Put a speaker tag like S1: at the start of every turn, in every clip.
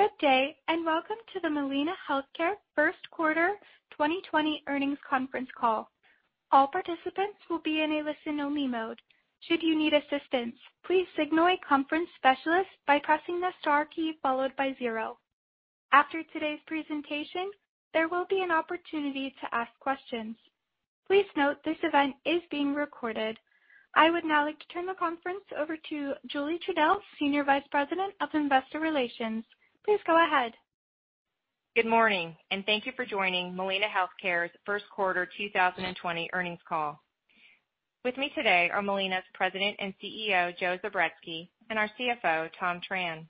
S1: Good day, and welcome to the Molina Healthcare First Quarter 2020 Earnings Conference Call. All participants will be in a listen-only mode. Should you need assistance, please signal a conference specialist by pressing the star key followed by zero. After today's presentation, there will be an opportunity to ask questions. Please note this event is being recorded. I would now like to turn the conference over to Julie Trudell, Senior Vice President of Investor Relations. Please go ahead.
S2: Good morning, and thank you for joining Molina Healthcare's first quarter 2020 earnings call. With me today are Molina's President and CEO, Joe Zubretsky, and our CFO, Tom Tran.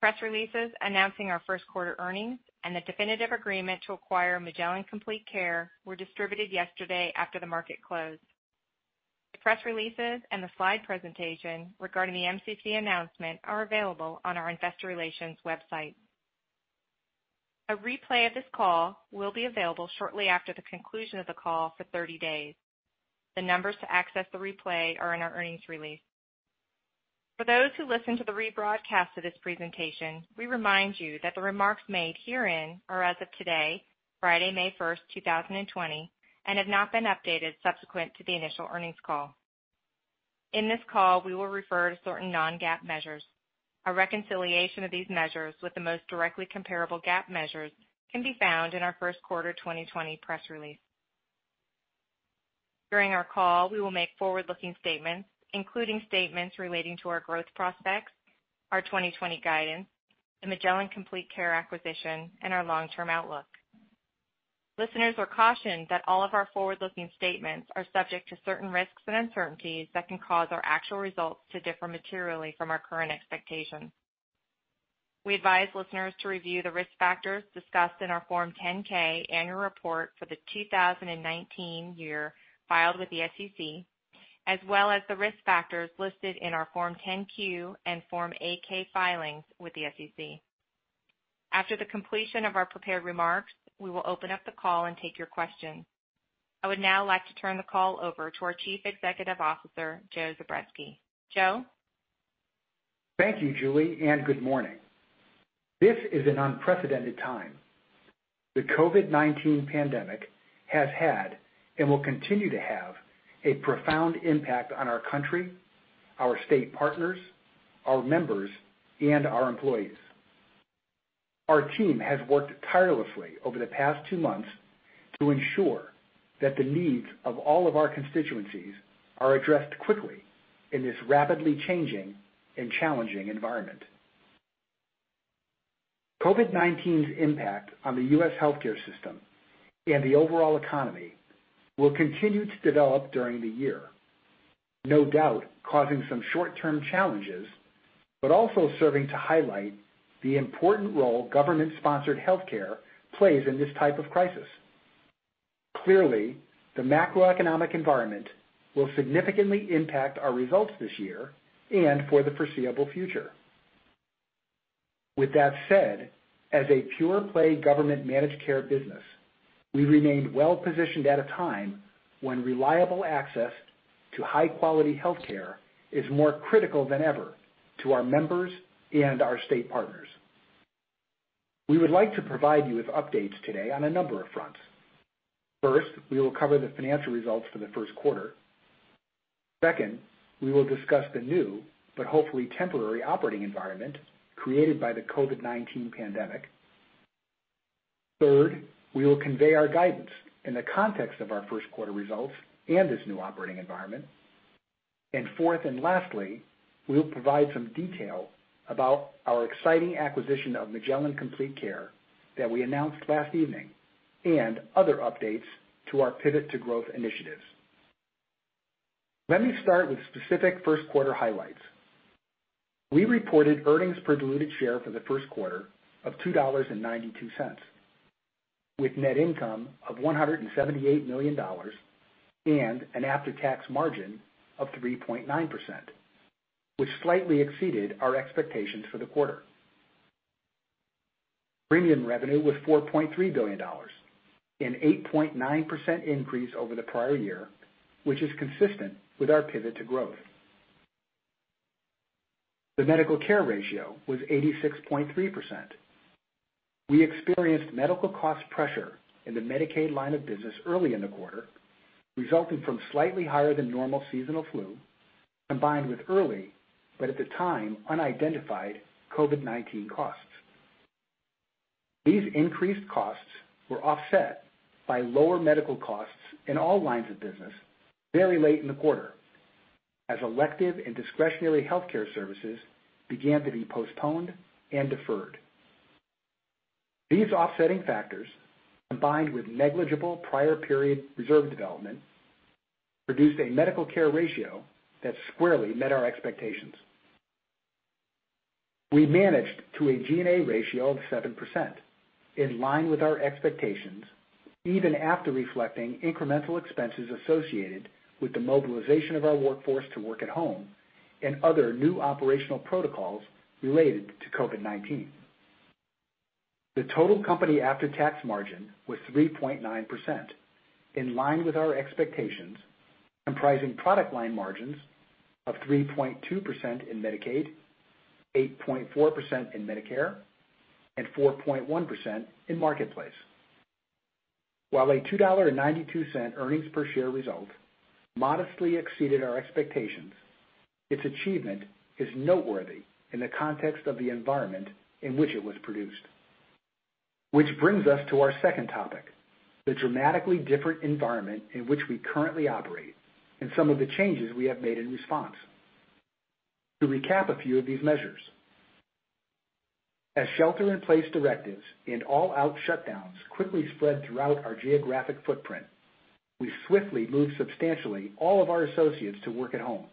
S2: Press releases announcing our first quarter earnings and the definitive agreement to acquire Magellan Complete Care were distributed yesterday after the market closed. The press releases and the slide presentation regarding the MCC announcement are available on our investor relations website. A replay of this call will be available shortly after the conclusion of the call for 30 days. The numbers to access the replay are in our earnings release. For those who listen to the rebroadcast of this presentation, we remind you that the remarks made herein are as of today, Friday, May 1st, 2020, and have not been updated subsequent to the initial earnings call. In this call, we will refer to certain non-GAAP measures. A reconciliation of these measures with the most directly comparable GAAP measures can be found in our first quarter 2020 press release. During our call, we will make forward-looking statements, including statements relating to our growth prospects, our 2020 guidance, the Magellan Complete Care acquisition, and our long-term outlook. Listeners are cautioned that all of our forward-looking statements are subject to certain risks and uncertainties that can cause our actual results to differ materially from our current expectations. We advise listeners to review the risk factors discussed in our Form 10-K annual report for the 2019 year filed with the SEC, as well as the risk factors listed in our Form 10-Q and Form 8-K filings with the SEC. After the completion of our prepared remarks, we will open up the call and take your questions. I would now like to turn the call over to our Chief Executive Officer, Joe Zubretsky. Joe?
S3: Thank you, Julie, and good morning. This is an unprecedented time. The COVID-19 pandemic has had and will continue to have a profound impact on our country, our state partners, our members, and our employees. Our team has worked tirelessly over the past two months to ensure that the needs of all of our constituencies are addressed quickly in this rapidly changing and challenging environment. COVID-19's impact on the U.S. healthcare system and the overall economy will continue to develop during the year, no doubt causing some short-term challenges, but also serving to highlight the important role government-sponsored healthcare plays in this type of crisis. Clearly, the macroeconomic environment will significantly impact our results this year and for the foreseeable future. With that said, as a pure-play government managed care business, we remained well positioned at a time when reliable access to high-quality healthcare is more critical than ever to our members and our state partners. We would like to provide you with updates today on a number of fronts. First, we will cover the financial results for the first quarter. Second, we will discuss the new but hopefully temporary operating environment created by the COVID-19 pandemic. Third, we will convey our guidance in the context of our first quarter results and this new operating environment. Fourth and lastly, we will provide some detail about our exciting acquisition of Magellan Complete Care that we announced last evening and other updates to our pivot to growth initiatives. Let me start with specific first quarter highlights. We reported earnings per diluted share for the first quarter of $2.92, with net income of $178 million and an after-tax margin of 3.9%, which slightly exceeded our expectations for the quarter. Premium revenue was $4.3 billion, an 8.9% increase over the prior year, which is consistent with our pivot to growth. The medical care ratio was 86.3%. We experienced medical cost pressure in the Medicaid line of business early in the quarter, resulting from slightly higher than normal seasonal flu, combined with early, but at the time unidentified, COVID-19 costs. These increased costs were offset by lower medical costs in all lines of business very late in the quarter as elective and discretionary healthcare services began to be postponed and deferred. These offsetting factors, combined with negligible prior period reserve development, produced a medical care ratio that squarely met our expectations. We managed to a G&A ratio of 7%, in line with our expectations, even after reflecting incremental expenses associated with the mobilization of our workforce to work at home and other new operational protocols related to COVID-19. The total company after-tax margin was 3.9%, in line with our expectations, comprising product line margins of 3.2% in Medicaid, 8.4% in Medicare, and 4.1% in Marketplace. While a $2.92 earnings per share result modestly exceeded our expectations, its achievement is noteworthy in the context of the environment in which it was produced. Which brings us to our second topic, the dramatically different environment in which we currently operate and some of the changes we have made in response. To recap a few of these measures. As shelter-in-place directives and all-out shutdowns quickly spread throughout our geographic footprint, we swiftly moved substantially all of our associates to work at home.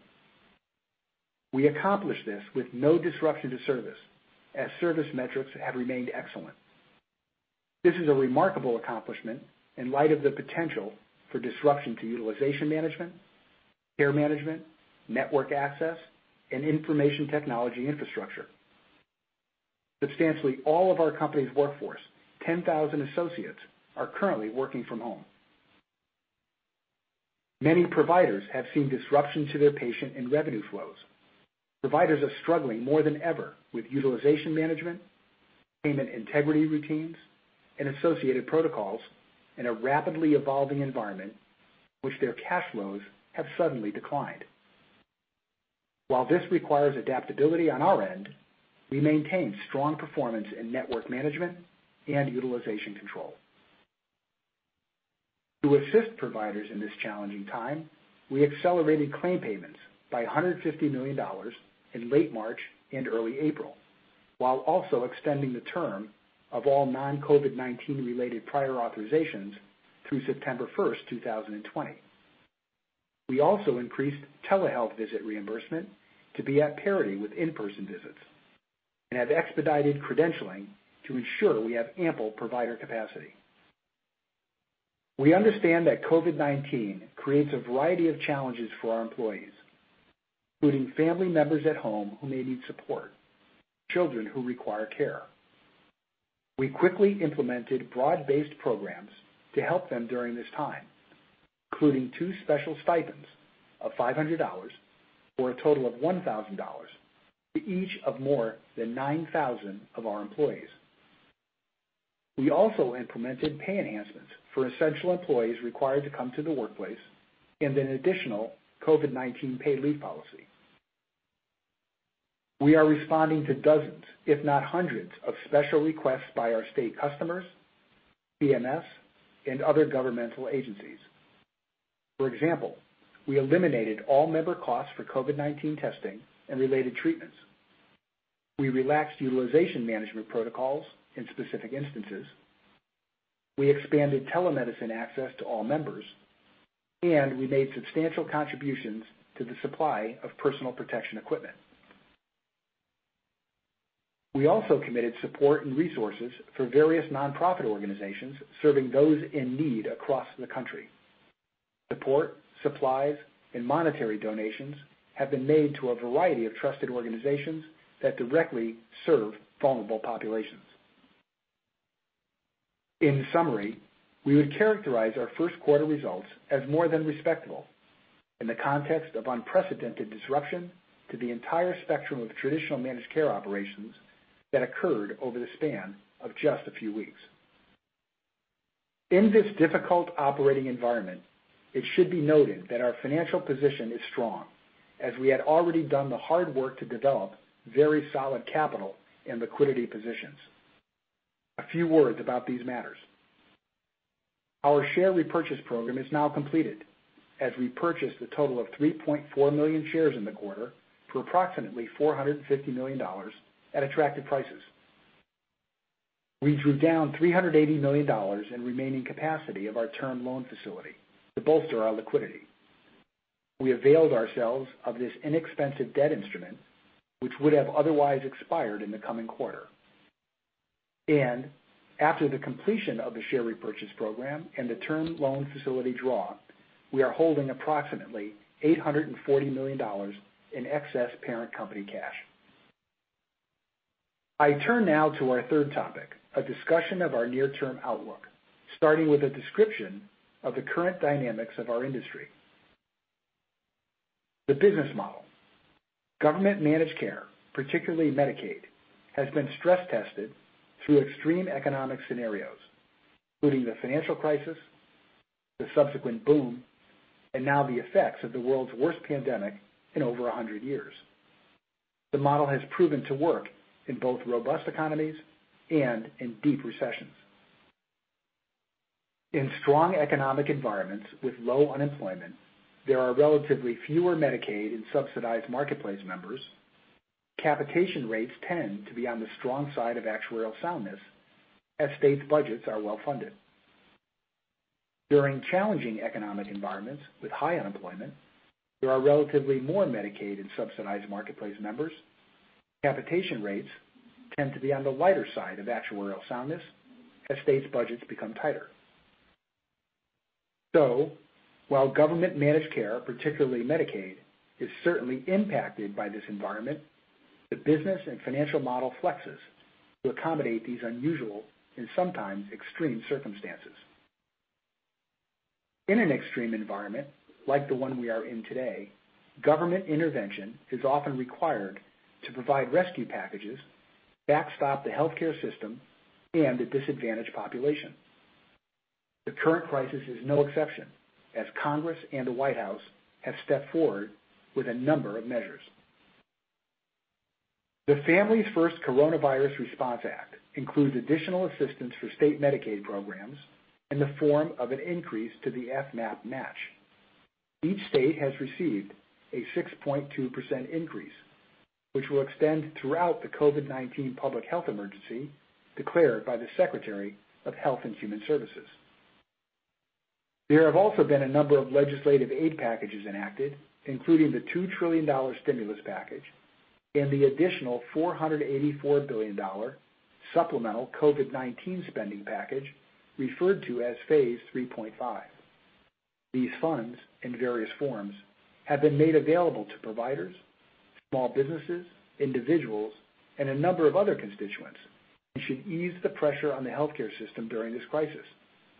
S3: We accomplished this with no disruption to service, as service metrics have remained excellent. This is a remarkable accomplishment in light of the potential for disruption to utilization management, care management, network access, and information technology infrastructure. Substantially all of our company's workforce, 10,000 associates, are currently working from home. Many providers have seen disruption to their patient and revenue flows. Providers are struggling more than ever with utilization management, payment integrity routines, and associated protocols in a rapidly evolving environment in which their cash flows have suddenly declined. While this requires adaptability on our end, we maintain strong performance in network management and utilization control. To assist providers in this challenging time, we accelerated claim payments by $150 million in late March and early April, while also extending the term of all non-COVID-19 related prior authorizations through September 1st, 2020. We also increased telehealth visit reimbursement to be at parity with in-person visits and have expedited credentialing to ensure we have ample provider capacity. We understand that COVID-19 creates a variety of challenges for our employees, including family members at home who may need support, children who require care. We quickly implemented broad-based programs to help them during this time, including two special stipends of $500, for a total of $1,000 to each of more than 9,000 of our employees. We also implemented pay enhancements for essential employees required to come to the workplace and an additional COVID-19 paid leave policy. We are responding to dozens, if not hundreds, of special requests by our state customers, CMS, and other governmental agencies. For example, we eliminated all member costs for COVID-19 testing and related treatments. We relaxed utilization management protocols in specific instances. We expanded telemedicine access to all members, and we made substantial contributions to the supply of personal protection equipment. We also committed support and resources for various nonprofit organizations serving those in need across the country. Support, supplies, and monetary donations have been made to a variety of trusted organizations that directly serve vulnerable populations. In summary, we would characterize our first quarter results as more than respectable in the context of unprecedented disruption to the entire spectrum of traditional managed care operations that occurred over the span of just a few weeks. In this difficult operating environment, it should be noted that our financial position is strong, as we had already done the hard work to develop very solid capital and liquidity positions. A few words about these matters. Our share repurchase program is now completed as we purchased a total of 3.4 million shares in the quarter for approximately $450 million at attractive prices. We drew down $380 million in remaining capacity of our term loan facility to bolster our liquidity. We availed ourselves of this inexpensive debt instrument, which would have otherwise expired in the coming quarter. After the completion of the share repurchase program and the term loan facility draw, we are holding approximately $840 million in excess parent company cash. I turn now to our third topic, a discussion of our near-term outlook, starting with a description of the current dynamics of our industry. The business model. Government managed care, particularly Medicaid, has been stress tested through extreme economic scenarios, including the financial crisis, the subsequent boom, and now the effects of the world's worst pandemic in over 100 years. The model has proven to work in both robust economies and in deep recessions. In strong economic environments with low unemployment, there are relatively fewer Medicaid and subsidized Marketplace members. Capitation rates tend to be on the strong side of actuarial soundness as states' budgets are well funded. During challenging economic environments with high unemployment, there are relatively more Medicaid and subsidized Marketplace members. Capitation rates tend to be on the lighter side of actuarial soundness as states' budgets become tighter. While government managed care, particularly Medicaid, is certainly impacted by this environment, the business and financial model flexes to accommodate these unusual and sometimes extreme circumstances. In an extreme environment like the one we are in today, government intervention is often required to provide rescue packages, backstop the healthcare system, and a disadvantaged population. The current crisis is no exception, as Congress and the White House have stepped forward with a number of measures. The Families First Coronavirus Response Act includes additional assistance for state Medicaid programs in the form of an increase to the FMAP match. Each state has received a 6.2% increase, which will extend throughout the COVID-19 public health emergency declared by the Secretary of Health and Human Services. There have also been a number of legislative aid packages enacted, including the $2 trillion stimulus package and the additional $484 billion supplemental COVID-19 spending package, referred to as phase 3.5. These funds, in various forms, have been made available to providers, small businesses, individuals, and a number of other constituents, and should ease the pressure on the healthcare system during this crisis,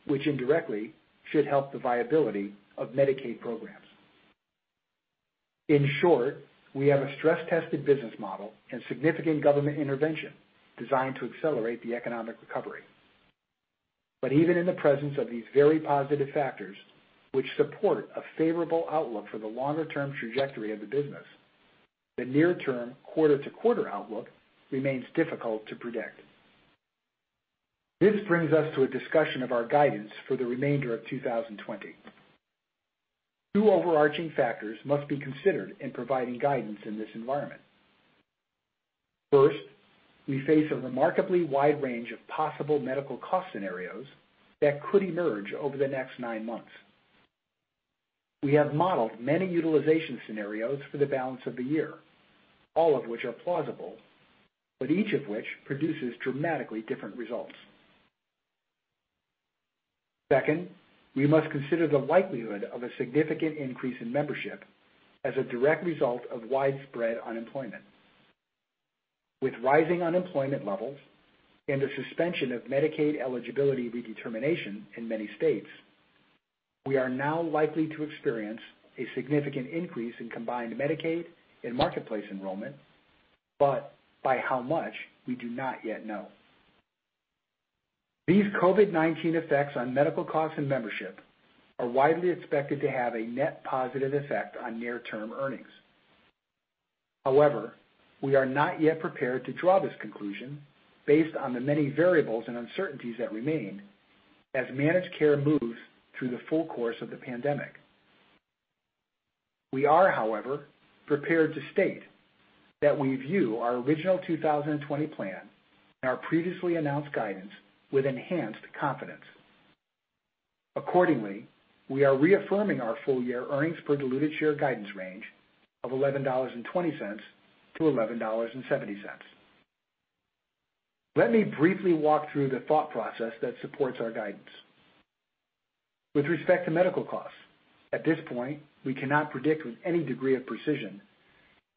S3: which indirectly should help the viability of Medicaid programs. In short, we have a stress-tested business model and significant government intervention designed to accelerate the economic recovery. Even in the presence of these very positive factors, which support a favorable outlook for the longer-term trajectory of the business, the near-term quarter-to-quarter outlook remains difficult to predict. This brings us to a discussion of our guidance for the remainder of 2020. Two overarching factors must be considered in providing guidance in this environment. First, we face a remarkably wide range of possible medical cost scenarios that could emerge over the next nine months. We have modeled many utilization scenarios for the balance of the year, all of which are plausible, but each of which produces dramatically different results. Second, we must consider the likelihood of a significant increase in membership as a direct result of widespread unemployment. With rising unemployment levels and the suspension of Medicaid eligibility redetermination in many states, we are now likely to experience a significant increase in combined Medicaid and Marketplace enrollment, but by how much, we do not yet know. These COVID-19 effects on medical costs and membership are widely expected to have a net positive effect on near term earnings. However, we are not yet prepared to draw this conclusion based on the many variables and uncertainties that remain as managed care moves through the full course of the pandemic. We are, however, prepared to state that we view our original 2020 plan and our previously announced guidance with enhanced confidence. Accordingly, we are reaffirming our full year earnings per diluted share guidance range of $11.20-$11.70. Let me briefly walk through the thought process that supports our guidance. With respect to medical costs, at this point, we cannot predict with any degree of precision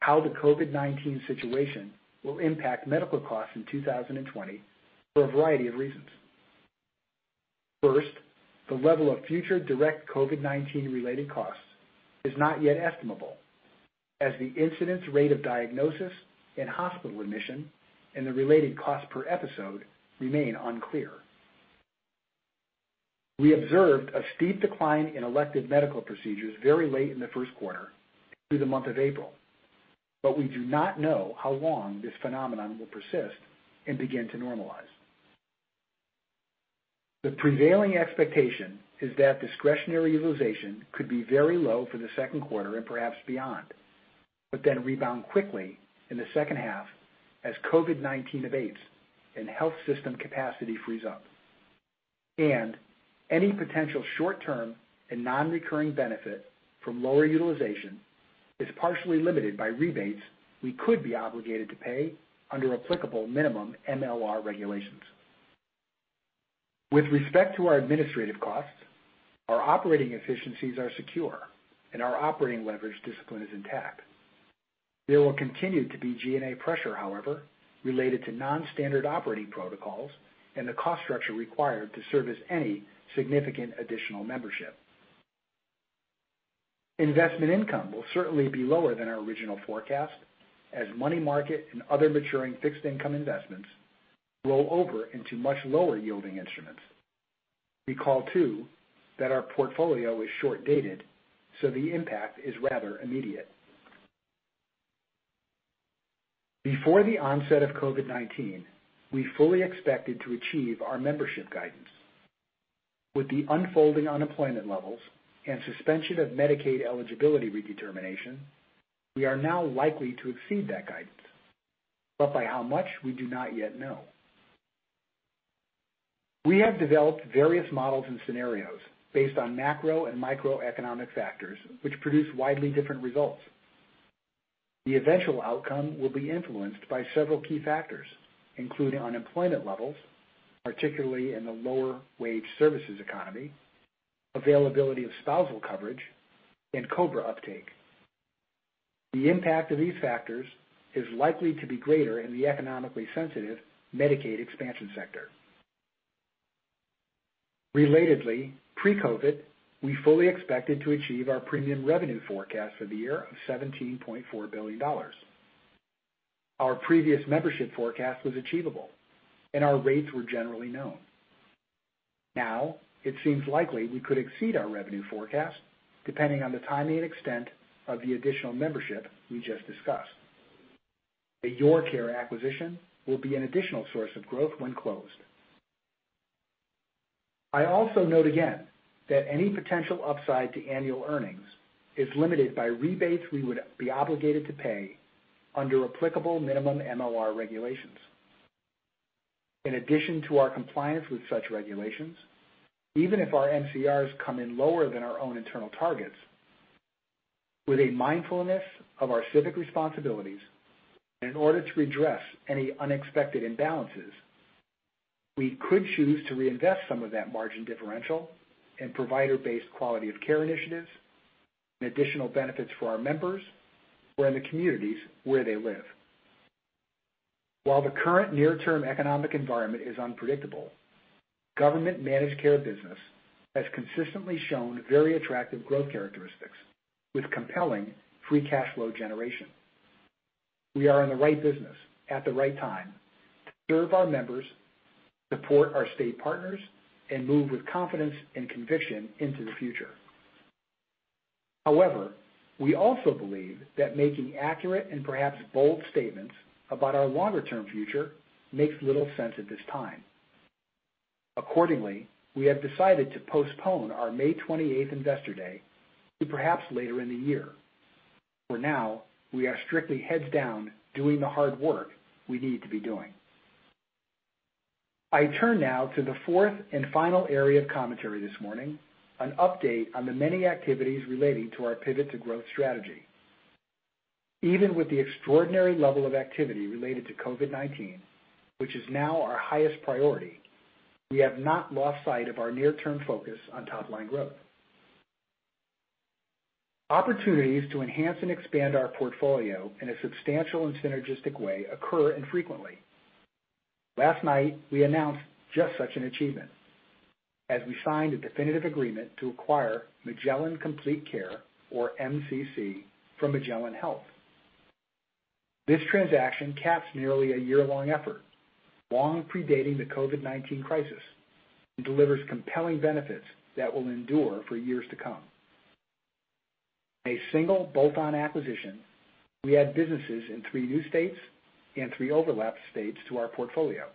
S3: how the COVID-19 situation will impact medical costs in 2020 for a variety of reasons. First, the level of future direct COVID-19 related costs is not yet estimable, as the incidence rate of diagnosis and hospital admission, and the related cost per episode, remain unclear. We observed a steep decline in elective medical procedures very late in the first quarter through the month of April, but we do not know how long this phenomenon will persist and begin to normalize. The prevailing expectation is that discretionary utilization could be very low for the second quarter and perhaps beyond, but then rebound quickly in the second half as COVID-19 abates and health system capacity frees up. Any potential short-term and non-recurring benefit from lower utilization is partially limited by rebates we could be obligated to pay under applicable minimum MLR regulations. With respect to our administrative costs, our operating efficiencies are secure, and our operating leverage discipline is intact. There will continue to be G&A pressure, however, related to non-standard operating protocols and the cost structure required to service any significant additional membership. Investment income will certainly be lower than our original forecast as money market and other maturing fixed income investments roll over into much lower yielding instruments. Recall too, that our portfolio is short-dated, so the impact is rather immediate. Before the onset of COVID-19, we fully expected to achieve our membership guidance. With the unfolding unemployment levels and suspension of Medicaid eligibility redetermination, we are now likely to exceed that guidance. By how much, we do not yet know. We have developed various models and scenarios based on macro and microeconomic factors which produce widely different results. The eventual outcome will be influenced by several key factors, including unemployment levels, particularly in the lower wage services economy, availability of spousal coverage, and COBRA uptake. The impact of these factors is likely to be greater in the economically sensitive Medicaid expansion sector. Relatedly, pre-COVID, we fully expected to achieve our premium revenue forecast for the year of $17.4 billion. Our previous membership forecast was achievable, and our rates were generally known. Now, it seems likely we could exceed our revenue forecast, depending on the timing and extent of the additional membership we just discussed. The YourCare acquisition will be an additional source of growth when closed. I also note again that any potential upside to annual earnings is limited by rebates we would be obligated to pay under applicable minimum MLR regulations. In addition to our compliance with such regulations, even if our MCRs come in lower than our own internal targets, with a mindfulness of our civic responsibilities, and in order to redress any unexpected imbalances, we could choose to reinvest some of that margin differential in provider-based quality of care initiatives and additional benefits for our members or in the communities where they live. While the current near-term economic environment is unpredictable, government managed care business has consistently shown very attractive growth characteristics with compelling free cash flow generation. We are in the right business at the right time to serve our members, support our state partners, and move with confidence and conviction into the future. However, we also believe that making accurate and perhaps bold statements about our longer-term future makes little sense at this time. Accordingly, we have decided to postpone our May 28th investor day to perhaps later in the year. For now, we are strictly heads down doing the hard work we need to be doing. I turn now to the fourth and final area of commentary this morning, an update on the many activities relating to our Pivot to Growth Strategy. Even with the extraordinary level of activity related to COVID-19, which is now our highest priority, we have not lost sight of our near-term focus on top-line growth. Opportunities to enhance and expand our portfolio in a substantial and synergistic way occur infrequently. Last night, we announced just such an achievement as we signed a definitive agreement to acquire Magellan Complete Care, or MCC, from Magellan Health. This transaction caps nearly a year-long effort, long predating the COVID-19 crisis, and delivers compelling benefits that will endure for years to come. In a single bolt-on acquisition, we add businesses in three new states and three overlap states to our portfolio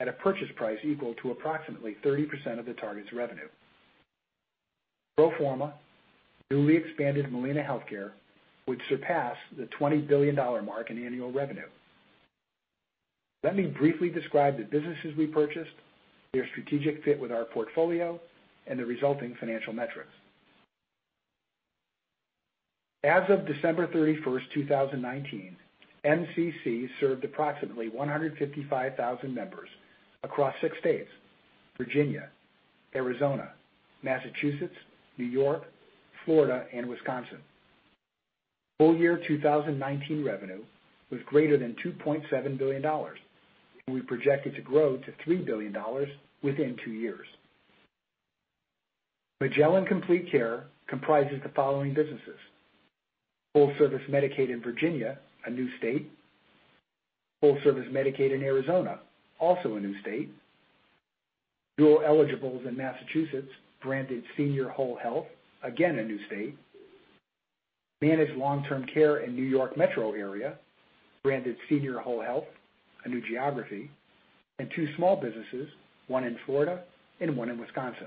S3: at a purchase price equal to approximately 30% of the target's revenue. Pro forma, newly expanded Molina Healthcare would surpass the $20 billion mark in annual revenue. Let me briefly describe the businesses we purchased, their strategic fit with our portfolio, and the resulting financial metrics. As of December 31st, 2019, MCC served approximately 155,000 members across six states, Virginia, Arizona, Massachusetts, New York, Florida, and Wisconsin. Full year 2019 revenue was greater than $2.7 billion, and we project it to grow to $3 billion within two years. Magellan Complete Care comprises the following businesses, full service Medicaid in Virginia, a new state, full service Medicaid in Arizona, also a new state, dual eligibles in Massachusetts, branded Senior Whole Health, again, a new state, managed long-term care in New York metro area, branded Senior Whole Health, a new geography, and two small businesses, one in Florida and one in Wisconsin.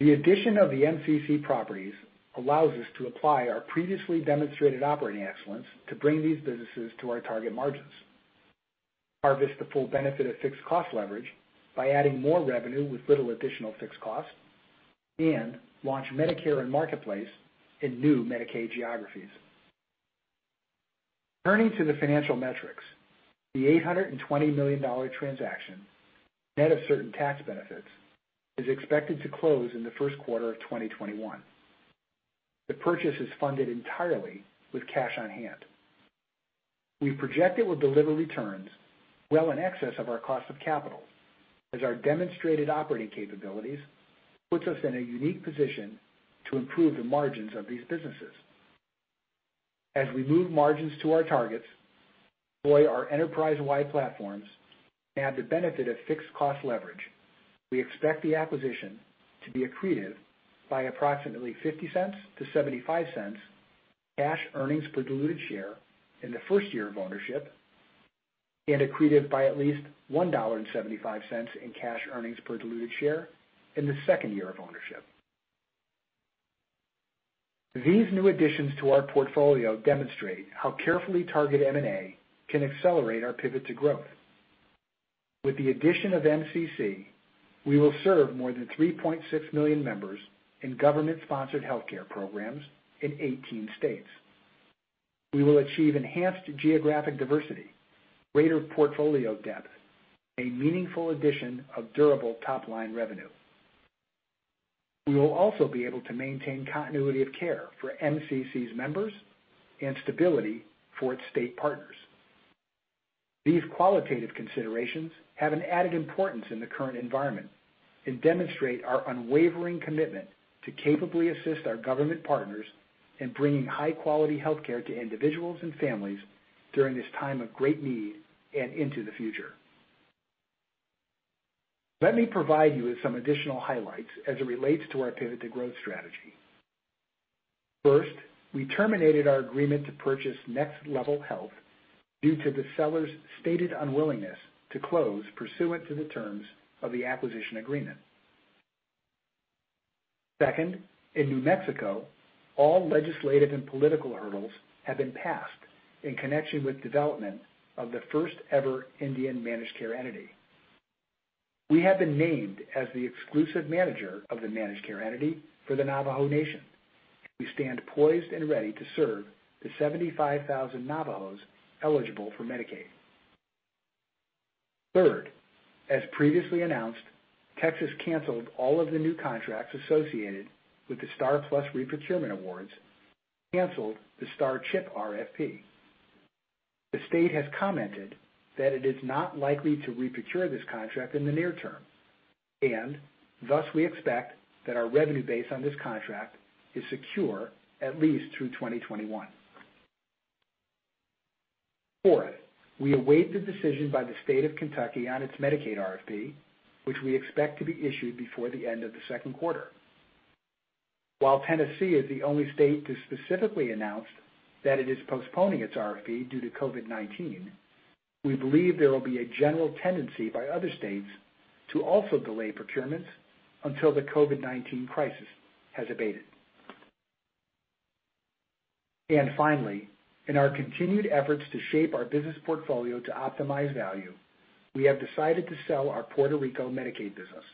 S3: The addition of the MCC properties allows us to apply our previously demonstrated operating excellence to bring these businesses to our target margins, harvest the full benefit of fixed cost leverage by adding more revenue with little additional fixed cost, and launch Medicare and Marketplace in new Medicaid geographies. Turning to the financial metrics, the $820 million transaction, net of certain tax benefits, is expected to close in the first quarter of 2021. The purchase is funded entirely with cash on hand. We project it will deliver returns well in excess of our cost of capital, as our demonstrated operating capabilities puts us in a unique position to improve the margins of these businesses. As we move margins to our targets, employ our enterprise-wide platforms, and have the benefit of fixed cost leverage, we expect the acquisition to be accretive by approximately $0.50 to $0.75 cash earnings per diluted share in the first year of ownership and accretive by at least $1.75 in cash earnings per diluted share in the second year of ownership. These new additions to our portfolio demonstrate how carefully targeted M&A can accelerate our pivot to growth. With the addition of MCC, we will serve more than 3.6 million members in government-sponsored healthcare programs in 18 states. We will achieve enhanced geographic diversity, greater portfolio depth, a meaningful addition of durable top-line revenue. We will also be able to maintain continuity of care for MCC's members and stability for its state partners. These qualitative considerations have an added importance in the current environment and demonstrate our unwavering commitment to capably assist our government partners in bringing high-quality health care to individuals and families during this time of great need and into the future. Let me provide you with some additional highlights as it relates to our Pivot to Growth strategy. First, we terminated our agreement to purchase NextLevel Health due to the seller's stated unwillingness to close pursuant to the terms of the acquisition agreement. Second, in New Mexico, all legislative and political hurdles have been passed in connection with development of the first-ever Indian managed care entity. We have been named as the exclusive manager of the managed care entity for the Navajo Nation. We stand poised and ready to serve the 75,000 Navajos eligible for Medicaid. Third, as previously announced, Texas canceled all of the new contracts associated with the STAR+PLUS re-procurement awards, canceled the STAR CHIP RFP. The State has commented that it is not likely to re-procure this contract in the near term, and thus we expect that our revenue base on this contract is secure at least through 2021. Fourth, we await the decision by the State of Kentucky on its Medicaid RFP, which we expect to be issued before the end of the second quarter. While Tennessee is the only State to specifically announce that it is postponing its RFP due to COVID-19, we believe there will be a general tendency by other states to also delay procurements until the COVID-19 crisis has abated. Finally, in our continued efforts to shape our business portfolio to optimize value, we have decided to sell our Puerto Rico Medicaid business.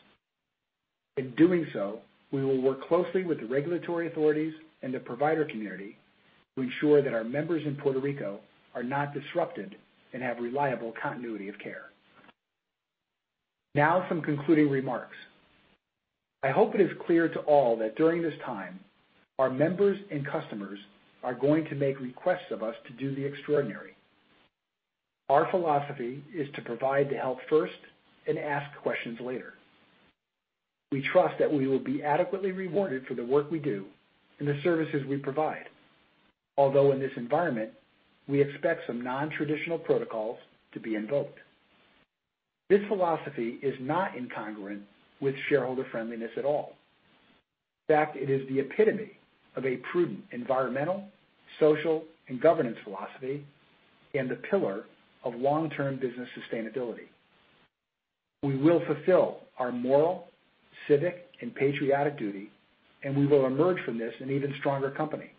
S3: In doing so, we will work closely with the regulatory authorities and the provider community to ensure that our members in Puerto Rico are not disrupted and have reliable continuity of care. Some concluding remarks. I hope it is clear to all that during this time, our members and customers are going to make requests of us to do the extraordinary. Our philosophy is to provide the help first and ask questions later. We trust that we will be adequately rewarded for the work we do and the services we provide. In this environment, we expect some non-traditional protocols to be invoked. This philosophy is not incongruent with shareholder friendliness at all. In fact, it is the epitome of a prudent environmental, social, and governance philosophy and the pillar of long-term business sustainability. We will fulfill our moral, civic, and patriotic duty, and we will emerge from this an even stronger company.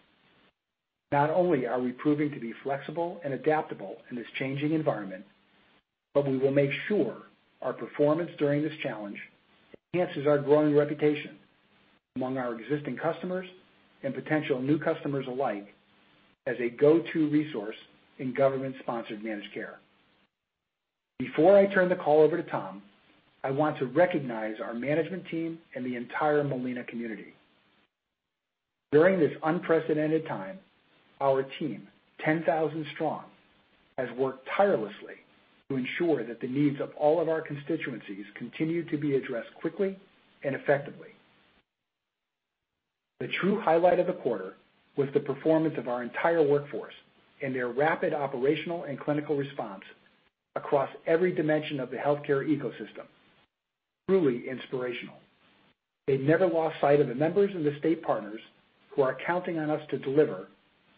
S3: Not only are we proving to be flexible and adaptable in this changing environment, but we will make sure our performance during this challenge enhances our growing reputation among our existing customers and potential new customers alike as a go-to resource in government-sponsored managed care. Before I turn the call over to Tom, I want to recognize our management team and the entire Molina community. During this unprecedented time, our team, 10,000 strong, has worked tirelessly to ensure that the needs of all of our constituencies continue to be addressed quickly and effectively. The true highlight of the quarter was the performance of our entire workforce and their rapid operational and clinical response across every dimension of the healthcare ecosystem. Truly inspirational. They never lost sight of the members and the state partners who are counting on us to deliver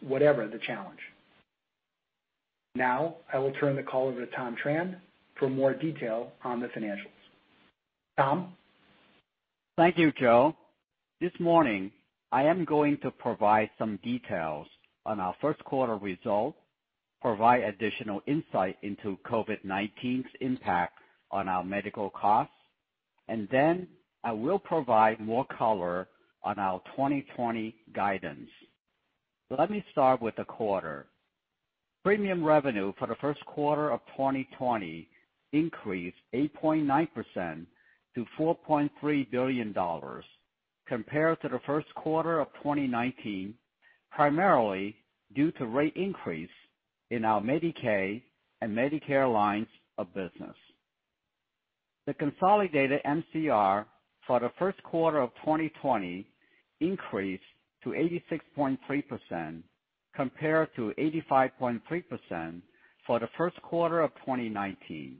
S3: whatever the challenge. I will turn the call over to Tom Tran for more detail on the financials. Tom?
S4: Thank you, Joe. This morning, I am going to provide some details on our first quarter results, provide additional insight into COVID-19's impact on our medical costs, and then I will provide more color on our 2020 guidance. Let me start with the quarter. Premium revenue for the first quarter of 2020 increased 8.9% to $4.3 billion compared to the first quarter of 2019, primarily due to rate increase in our Medicaid and Medicare lines of business. The consolidated MCR for the first quarter of 2020 increased to 86.3% compared to 85.3% for the first quarter of 2019.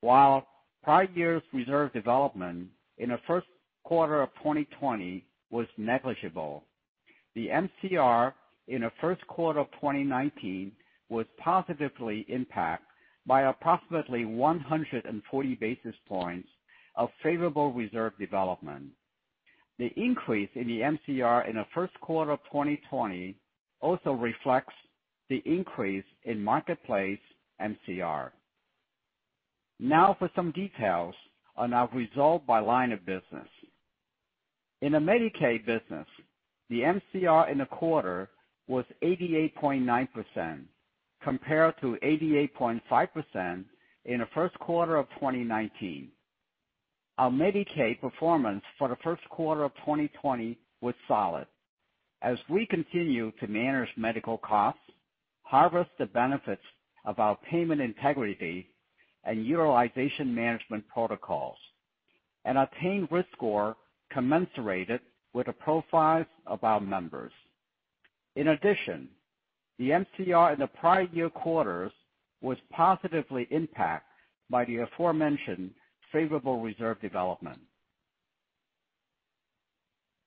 S4: While prior year's reserve development in the first quarter of 2020 was negligible, the MCR in the first quarter of 2019 was positively impacted by approximately 140 basis points of favorable reserve development. The increase in the MCR in the first quarter of 2020 also reflects the increase in Marketplace MCR. Now for some details on our result by line of business. In the Medicaid business, the MCR in the quarter was 88.9% compared to 88.5% in the first quarter of 2019. Our Medicaid performance for the first quarter of 2020 was solid as we continue to manage medical costs, harvest the benefits of our payment integrity and utilization management protocols, and attain risk score commensurate with the profiles of our members. In addition, the MCR in the prior year quarters was positively impacted by the aforementioned favorable reserve development.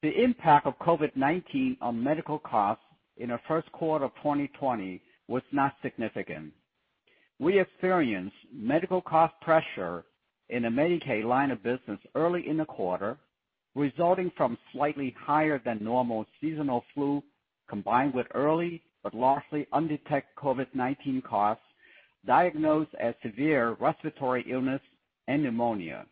S4: The impact of COVID-19 on medical costs in the first quarter of 2020 was not significant. We experienced medical cost pressure in the Medicaid line of business early in the quarter, resulting from slightly higher than normal seasonal flu combined with early but largely undetected COVID-19 costs diagnosed as severe respiratory illness and pneumonia.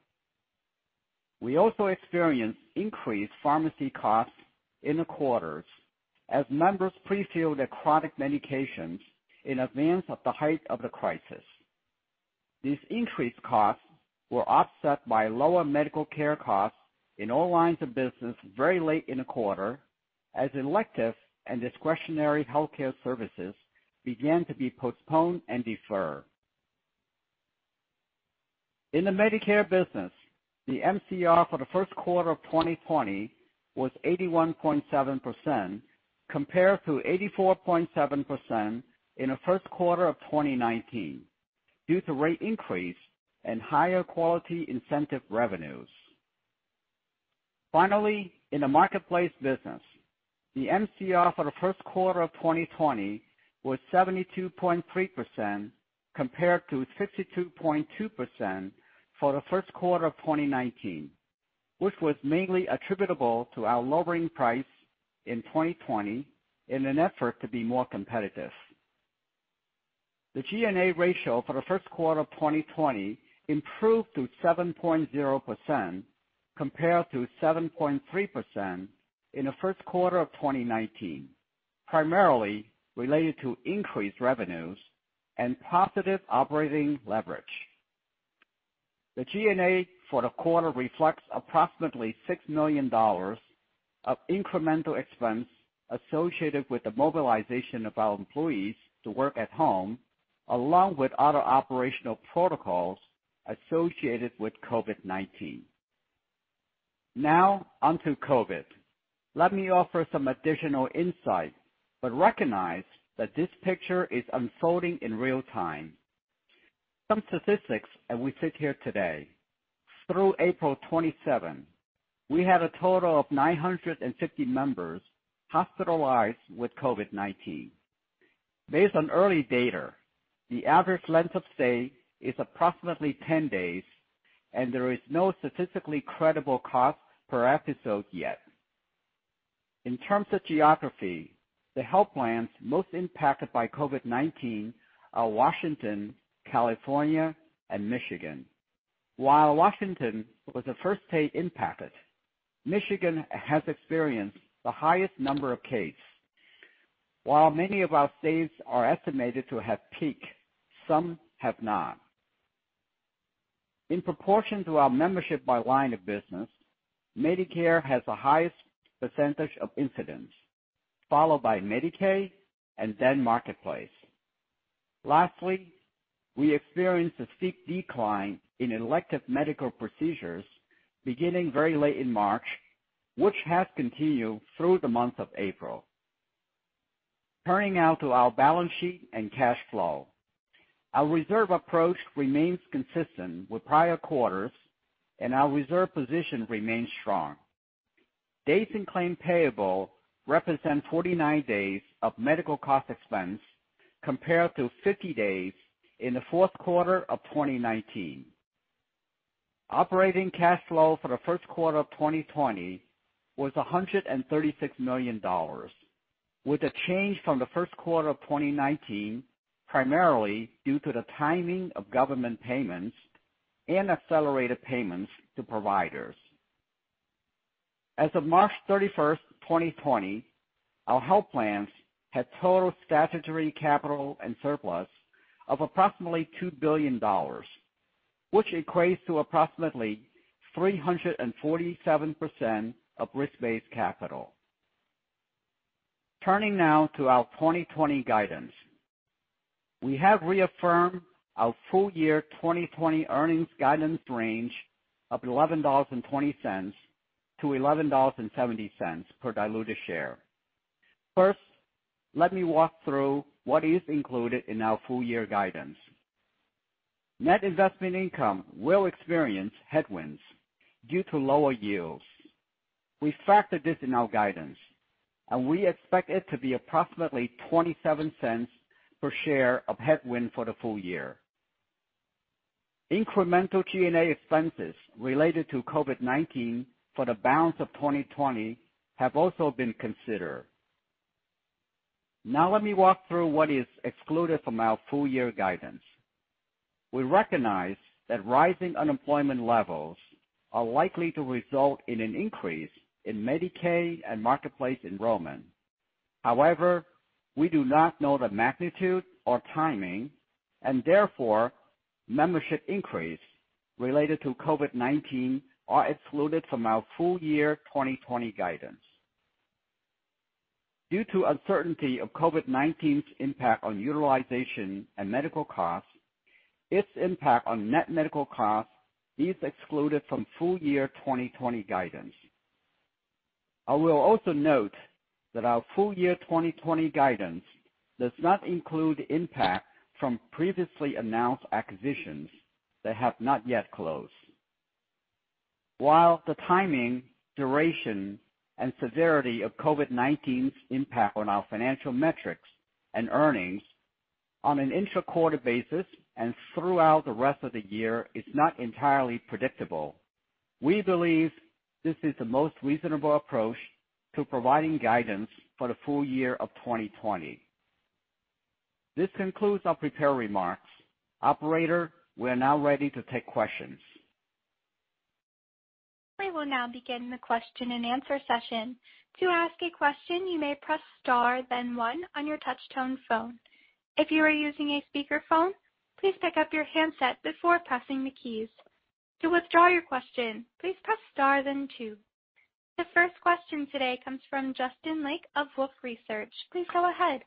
S4: We also experienced increased pharmacy costs in the quarters as members prefilled their chronic medications in advance of the height of the crisis. These increased costs were offset by lower medical care costs in all lines of business very late in the quarter as elective and discretionary healthcare services began to be postponed and deferred. In the Medicare business, the MCR for the first quarter of 2020 was 81.7% compared to 84.7% in the first quarter of 2019 due to rate increase and higher quality incentive revenues. Finally, in the Marketplace business, the MCR for the first quarter of 2020 was 72.3% compared to 62.2% for the first quarter of 2019, which was mainly attributable to our lowering price in 2020 in an effort to be more competitive. The G&A ratio for the first quarter of 2020 improved to 7.0% compared to 7.3% in the first quarter of 2019, primarily related to increased revenues and positive operating leverage. The G&A for the quarter reflects approximately $6 million of incremental expense associated with the mobilization of our employees to work at home, along with other operational protocols associated with COVID-19. Now on to COVID. Let me offer some additional insight, but recognize that this picture is unfolding in real time. Some statistics as we sit here today. Through April 27, we had a total of 950 members hospitalized with COVID-19. Based on early data, the average length of stay is approximately 10 days, and there is no statistically credible cost per episode yet. In terms of geography, the health plans most impacted by COVID-19 are Washington, California, and Michigan. While Washington was the first state impacted, Michigan has experienced the highest number of cases. While many of our states are estimated to have peaked, some have not. In proportion to our membership by line of business, Medicare has the highest percentage of incidents, followed by Medicaid, and then Marketplace. Lastly, we experienced a steep decline in elective medical procedures beginning very late in March, which has continued through the month of April. Turning now to our balance sheet and cash flow. Our reserve approach remains consistent with prior quarters, and our reserve position remains strong. Days in claim payable represent 49 days of medical cost expense, compared to 50 days in the fourth quarter of 2019. Operating cash flow for the first quarter of 2020 was $136 million, with a change from the first quarter of 2019, primarily due to the timing of government payments and accelerated payments to providers. As of March 31st, 2020, our health plans had total statutory capital and surplus of approximately $2 billion, which equates to approximately 347% of risk-based capital. Turning now to our 2020 guidance. We have reaffirmed our full year 2020 earnings guidance range of $11.20-$11.70 per diluted share. First, let me walk through what is included in our full year guidance. Net investment income will experience headwinds due to lower yields. We factored this in our guidance, and we expect it to be approximately $0.27 per share of headwind for the full year. Incremental G&A expenses related to COVID-19 for the balance of 2020 have also been considered. Let me walk through what is excluded from our full year guidance. We recognize that rising unemployment levels are likely to result in an increase in Medicaid and Marketplace enrollment. We do not know the magnitude or timing, and therefore, membership increase related to COVID-19 are excluded from our full year 2020 guidance. Due to uncertainty of COVID-19's impact on utilization and medical costs, its impact on net medical costs is excluded from full year 2020 guidance. I will also note that our full year 2020 guidance does not include impact from previously announced acquisitions that have not yet closed. While the timing, duration, and severity of COVID-19's impact on our financial metrics and earnings on an intra-quarter basis and throughout the rest of the year is not entirely predictable, we believe this is the most reasonable approach to providing guidance for the full year of 2020. This concludes our prepared remarks. Operator, we are now ready to take questions.
S1: We will now begin the question and answer session. To ask a question, you may press star then one on your touchtone phone. If you are using a speakerphone, please pick up your handset before pressing the keys. To withdraw your question, please press star then two. The first question today comes from Justin Lake of Wolfe Research. Please go ahead.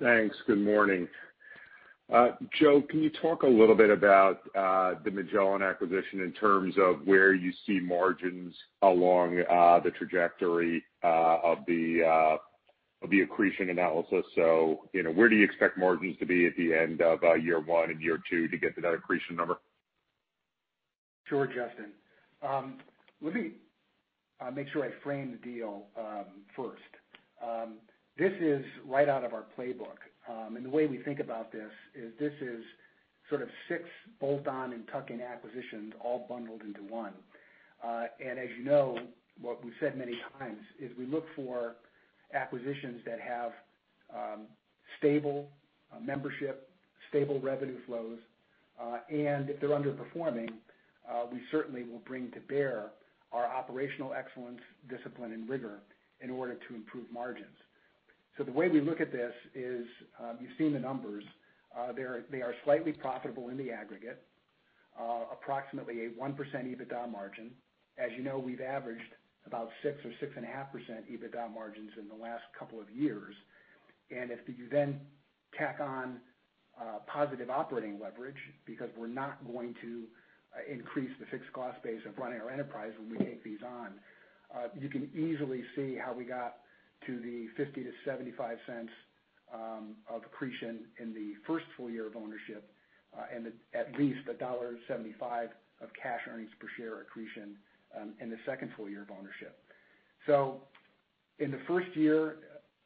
S5: Thanks. Good morning. Joe, can you talk a little bit about the Magellan acquisition in terms of where you see margins along the trajectory of the accretion analysis? Where do you expect margins to be at the end of year one and year two to get to that accretion number?
S3: Sure, Justin. Let me make sure I frame the deal first. This is right out of our playbook. The way we think about this is, this is sort of six bolt-on and tuck-in acquisitions all bundled into one. As you know, what we've said many times is we look for acquisitions that have stable membership, stable revenue flows, and if they're underperforming, we certainly will bring to bear our operational excellence, discipline, and rigor in order to improve margins. The way we look at this is, you've seen the numbers. They are slightly profitable in the aggregate, approximately a 1% EBITDA margin. As you know, we've averaged about 6% or 6.5% EBITDA margins in the last couple of years. If you then tack on positive operating leverage, because we're not going to increase the fixed cost base of running our enterprise when we take these on, you can easily see how we got to the $0.50-$0.75 of accretion in the first full year of ownership, and at least $1.75 of cash earnings per share accretion in the second full year of ownership. In the first year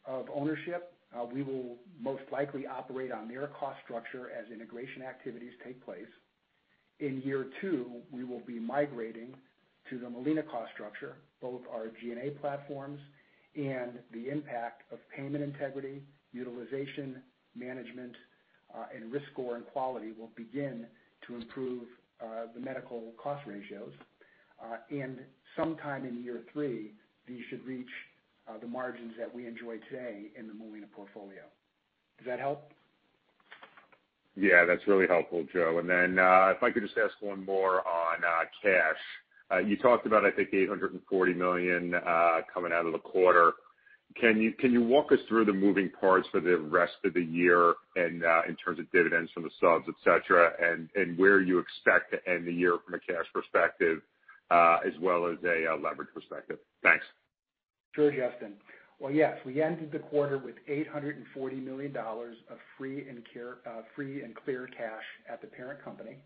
S3: of ownership, we will most likely operate on their cost structure as integration activities take place. In year two, we will be migrating to the Molina cost structure, both our G&A platforms and the impact of payment integrity, utilization, management, and risk score and quality will begin to improve the medical cost ratios. Sometime in year three, these should reach the margins that we enjoy today in the Molina portfolio. Does that help?
S5: Yeah, that's really helpful, Joe. If I could just ask one more on cash. You talked about, I think, $840 million coming out of the quarter. Can you walk us through the moving parts for the rest of the year and in terms of dividends from the subs, et cetera, and where you expect to end the year from a cash perspective, as well as a leverage perspective? Thanks.
S3: Sure, Justin. Well, yes, we ended the quarter with $840 million of free and clear cash at the parent company.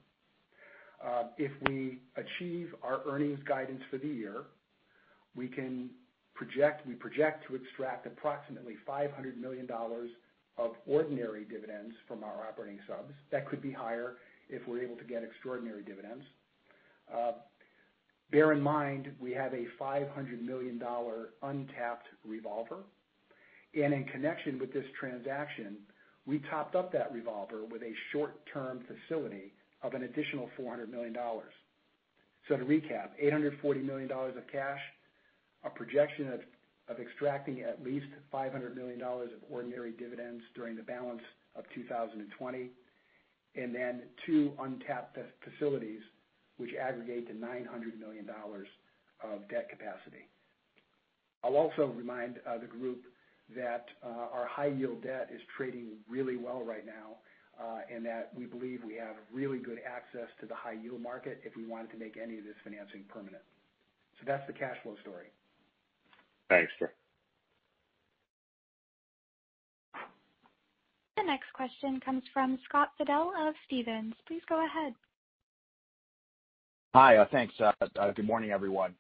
S3: If we achieve our earnings guidance for the year, we project to extract approximately $500 million of ordinary dividends from our operating subs. That could be higher if we're able to get extraordinary dividends. Bear in mind, we have a $500 million untapped revolver. In connection with this transaction, we topped up that revolver with a short-term facility of an additional $400 million. To recap, $840 million of cash, a projection of extracting at least $500 million of ordinary dividends during the balance of 2020, and then two untapped facilities, which aggregate to $900 million of debt capacity. I'll also remind the group that our high yield debt is trading really well right now, and that we believe we have really good access to the high yield market if we wanted to make any of this financing permanent. That's the cash flow story.
S5: Thanks, Joe.
S1: The next question comes from Scott Fidel of Stephens. Please go ahead.
S6: Hi. Thanks. Good morning, everyone.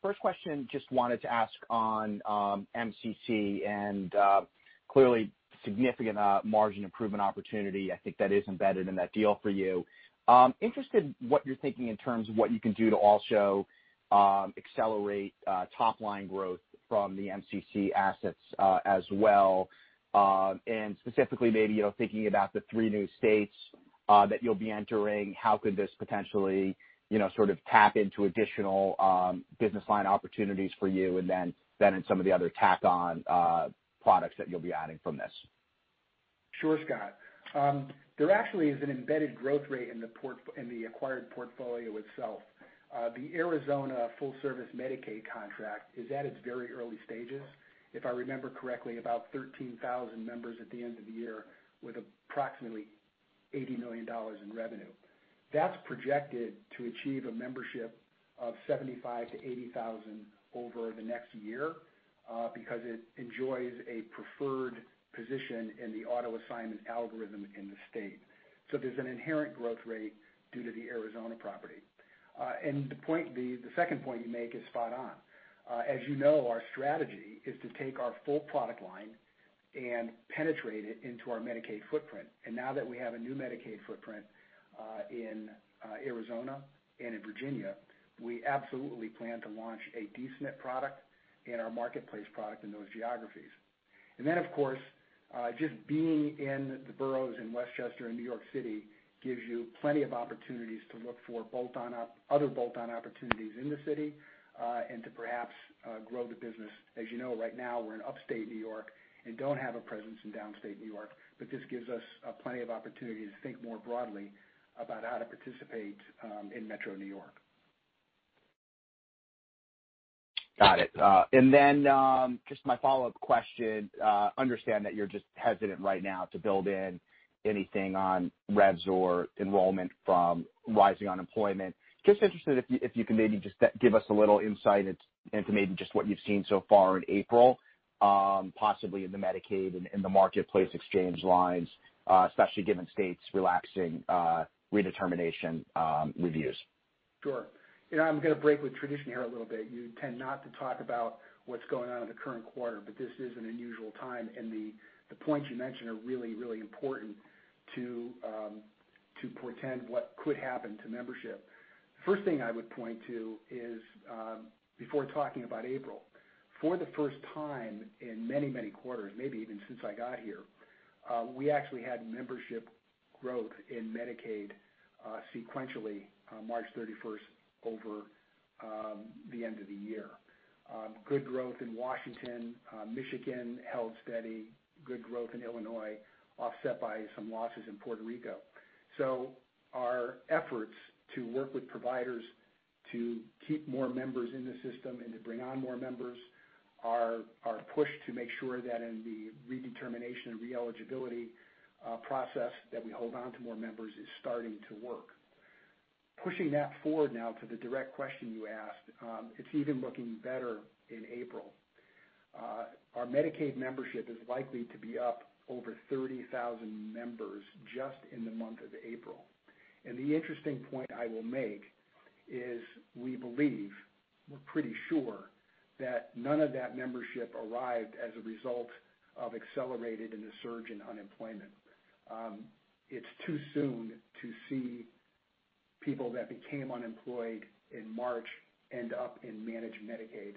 S6: First question, just wanted to ask on MCC, and clearly significant margin improvement opportunity, I think that is embedded in that deal for you. Interested in what you're thinking in terms of what you can do to also accelerate top-line growth from the MCC assets as well. Specifically maybe, thinking about the three new states that you'll be entering, how could this potentially sort of tap into additional business line opportunities for you, and then in some of the other tack on products that you'll be adding from this?
S3: Sure, Scott. There actually is an embedded growth rate in the acquired portfolio itself. The Arizona full-service Medicaid contract is at its very early stages. If I remember correctly, about 13,000 members at the end of the year, with approximately $80 million in revenue. That's projected to achieve a membership of 75,000 to 80,000 over the next year, because it enjoys a preferred position in the auto assignment algorithm in the state. There's an inherent growth rate due to the Arizona property. The second point you make is spot on. As you know, our strategy is to take our full product line and penetrate it into our Medicaid footprint. Now that we have a new Medicaid footprint, in Arizona and in Virginia, we absolutely plan to launch a D-SNP product and our Marketplace product in those geographies. Of course, just being in the boroughs in Westchester and New York City gives you plenty of opportunities to look for other bolt-on opportunities in the city, and to perhaps grow the business. As you know, right now, we're in upstate New York and don't have a presence in downstate New York, but this gives us plenty of opportunity to think more broadly about how to participate in metro New York.
S6: Got it. Just my follow-up question. Understand that you're just hesitant right now to build in anything on revs or enrollment from rising unemployment. Interested if you can maybe just give us a little insight into maybe just what you've seen so far in April, possibly in the Medicaid and in the Marketplace exchange lines, especially given states relaxing redetermination reviews?
S3: Sure. I'm going to break with tradition here a little bit. You tend not to talk about what's going on in the current quarter. This is an unusual time, and the points you mentioned are really, really important to portend what could happen to membership. First thing I would point to is, before talking about April, for the first time in many, many quarters, maybe even since I got here, we actually had membership growth in Medicaid sequentially March 31 over the end of the year. Good growth in Washington. Michigan held steady. Good growth in Illinois, offset by some losses in Puerto Rico. Our efforts to work with providers to keep more members in the system and to bring on more members, our push to make sure that in the redetermination and re-eligibility process that we hold on to more members is starting to work. Pushing that forward now to the direct question you asked, it's even looking better in April. Our Medicaid membership is likely to be up over 30,000 members just in the month of April. The interesting point I will make is we believe, we're pretty sure, that none of that membership arrived as a result of accelerated and the surge in unemployment. It's too soon to see people that became unemployed in March end up in managed Medicaid.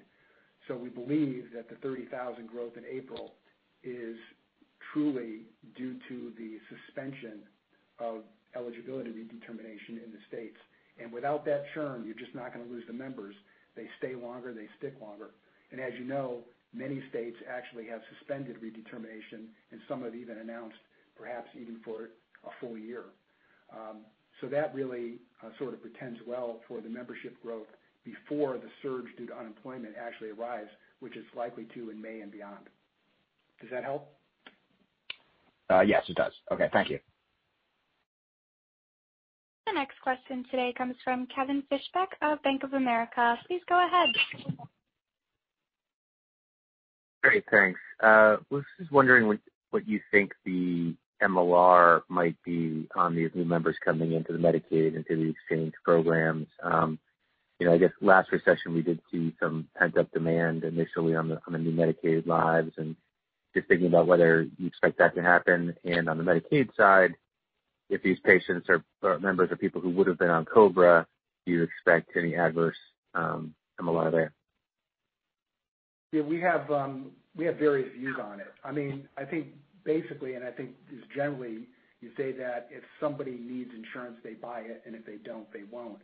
S3: We believe that the 30,000 growth in April is truly due to the suspension of eligibility redetermination in the states, and without that churn, you're just not going to lose the members. They stay longer, they stick longer. As you know, many states actually have suspended redetermination, and some have even announced perhaps even for a full year. That really sort of portends well for the membership growth before the surge due to unemployment actually arrives, which it's likely to in May and beyond. Does that help?
S6: Yes, it does. Okay. Thank you.
S1: The next question today comes from Kevin Fischbeck of Bank of America. Please go ahead.
S7: Great. Thanks. Was just wondering what you think the MLR might be on these new members coming into the Medicaid, into the exchange programs. I guess last recession, we did see some pent-up demand initially on the new Medicaid lives. Just thinking about whether you expect that to happen. On the Medicaid side, if these patients or members are people who would've been on COBRA, do you expect any adverse MLR there?
S3: Yeah, we have various views on it. I think basically, and I think just generally, you say that if somebody needs insurance, they buy it, and if they don't, they won't.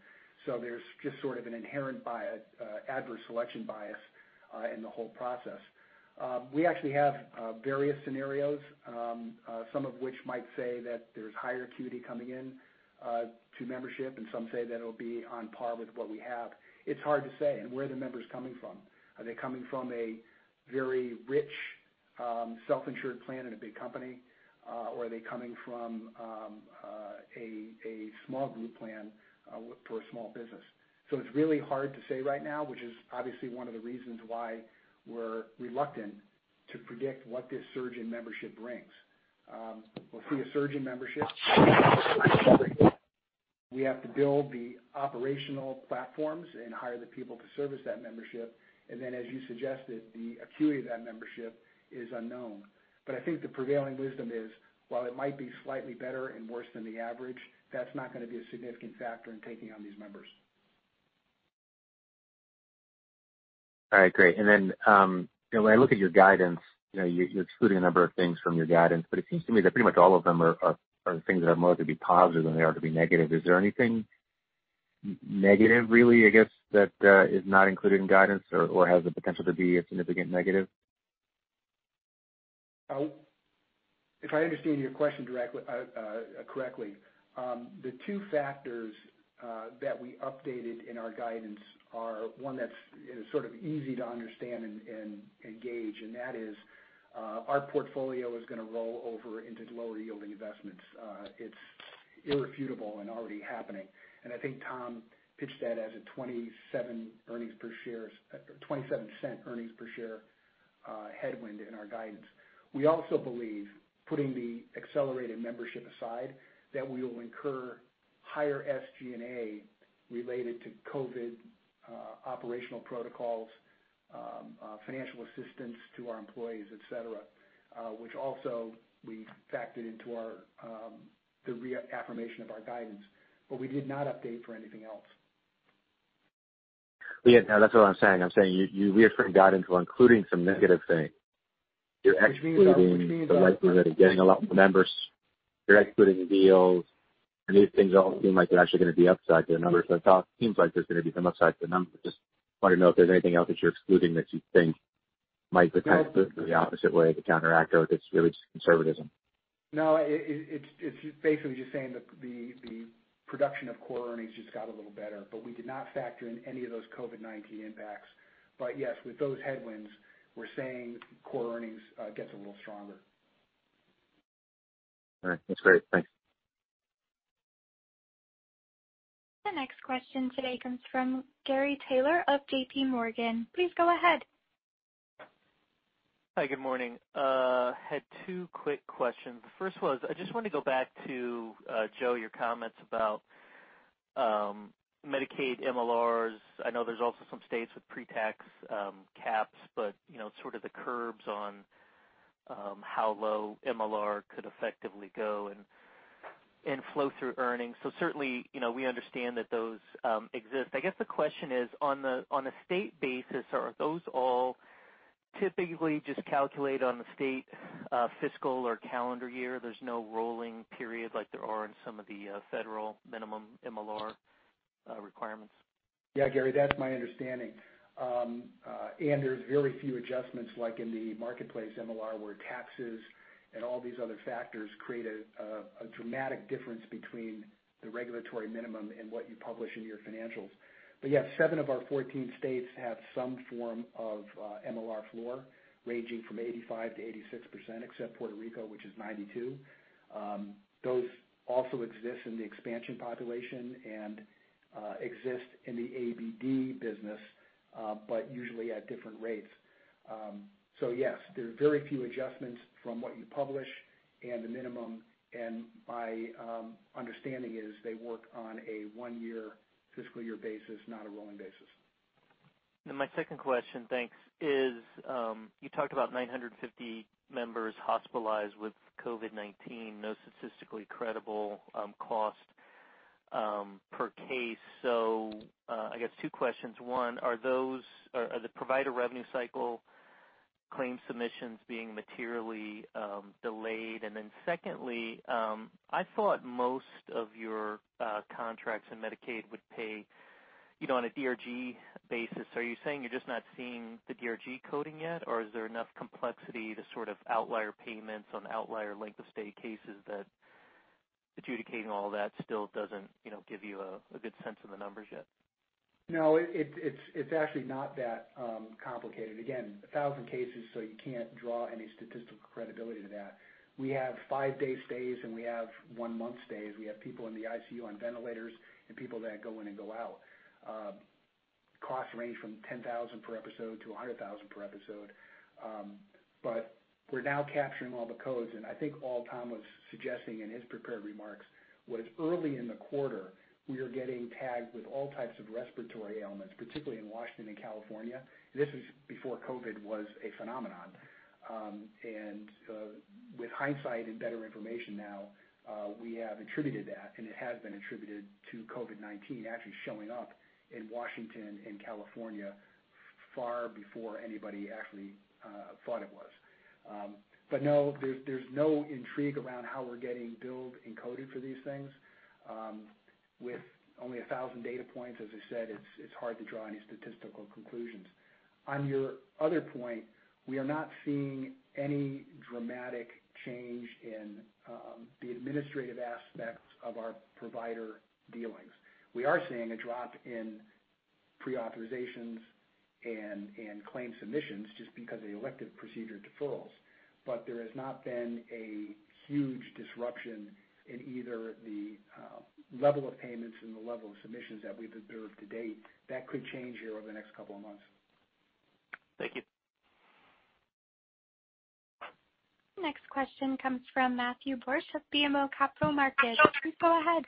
S3: There's just sort of an inherent adverse selection bias in the whole process. We actually have various scenarios, some of which might say that there's higher acuity coming in to membership, and some say that it'll be on par with what we have. It's hard to say. Where are the members coming from? Are they coming from a very rich, self-insured plan in a big company? Are they coming from a small group plan for a small business? It's really hard to say right now, which is obviously one of the reasons why we're reluctant to predict what this surge in membership brings. We'll see a surge in membership. We have to build the operational platforms and hire the people to service that membership, and then as you suggested, the acuity of that membership is unknown. I think the prevailing wisdom is, while it might be slightly better and worse than the average, that's not going to be a significant factor in taking on these members.
S7: All right, great. When I look at your guidance, you're excluding a number of things from your guidance, but it seems to me that pretty much all of them are things that are more to be positive than they are to be negative. Is there anything negative really, I guess, that is not included in guidance or has the potential to be a significant negative?
S3: If I understand your question correctly, the two factors that we updated in our guidance are one that's sort of easy to understand and gauge, and that is our portfolio is going to roll over into lower yielding investments. It's irrefutable and already happening. I think Tom pitched that as a $0.27 earnings per share headwind in our guidance. We also believe, putting the accelerated membership aside, that we will incur higher SG&A related to COVID operational protocols, financial assistance to our employees, et cetera, which also we factored into the reaffirmation of our guidance. We did not update for anything else.
S7: Yeah, that's what I'm saying. I'm saying you reaffirmed guidance while including some negative things. You're excluding the likelihood of getting a lot more members. You're excluding deals, and these things all seem like they're actually going to be upside to the numbers. It seems like there's going to be some upside to the numbers. I just want to know if there's anything else that you're excluding that you think might potentially go the opposite way to counteract or if it's really just conservatism.
S3: It's basically just saying that the production of core earnings just got a little better, but we did not factor in any of those COVID-19 impacts. Yes, with those headwinds, we're saying core earnings gets a little stronger.
S7: All right. That's great. Thanks.
S1: The next question today comes from Gary Taylor of JPMorgan. Please go ahead.
S8: Hi, good morning. Had two quick questions. The first was, I just want to go back to, Joe, your comments about Medicaid MLRs. I know there's also some states with pre-tax caps, but sort of the curbs on how low MLR could effectively go and flow through earnings. Certainly, we understand that those exist. I guess the question is, on a state basis, are those all typically just calculated on the state fiscal or calendar year? There's no rolling period like there are in some of the federal minimum MLR requirements?
S3: Yeah, Gary, that's my understanding. There's very few adjustments like in the Marketplace MLR, where taxes and all these other factors create a dramatic difference between the regulatory minimum and what you publish in your financials. Yes, seven of our 14 states have some form of MLR floor ranging from 85%-86%, except Puerto Rico, which is 92%. Those also exist in the expansion population and exist in the ABD business, but usually at different rates. Yes, there are very few adjustments from what you publish and the minimum, and my understanding is they work on a one-year fiscal year basis, not a rolling basis.
S8: My second question, thanks, is you talked about 950 members hospitalized with COVID-19, no statistically credible cost per case. I guess two questions. One, are the provider revenue cycle claim submissions being materially delayed? Secondly, I thought most of your contracts in Medicaid would pay on a DRG basis. Are you saying you're just not seeing the DRG coding yet, or is there enough complexity to sort of outlier payments on outlier length of stay cases that adjudicating all that still doesn't give you a good sense of the numbers yet?
S3: No, it's actually not that complicated. Again, 1,000 cases, you can't draw any statistical credibility to that. We have five-day stays, and we have one-month stays. We have people in the ICU on ventilators and people that go in and go out. Costs range from $10,000 per episode to $100,000 per episode. We're now capturing all the codes, and I think all Tom was suggesting in his prepared remarks was early in the quarter, we were getting tagged with all types of respiratory ailments, particularly in Washington and California. This was before COVID-19 was a phenomenon. With hindsight and better information now, we have attributed that, and it has been attributed to COVID-19 actually showing up in Washington and California far before anybody actually thought it was. No, there's no intrigue around how we're getting billed and coded for these things. With only 1,000 data points, as I said, it's hard to draw any statistical conclusions. On your other point, we are not seeing any dramatic change in the administrative aspects of our provider dealings. We are seeing a drop in pre-authorizations and claim submissions just because of the elective procedure deferrals. There has not been a huge disruption in either the level of payments and the level of submissions that we've observed to date. That could change here over the next couple of months.
S8: Thank you.
S1: Next question comes from Matthew Borsch of BMO Capital Markets. Please go ahead.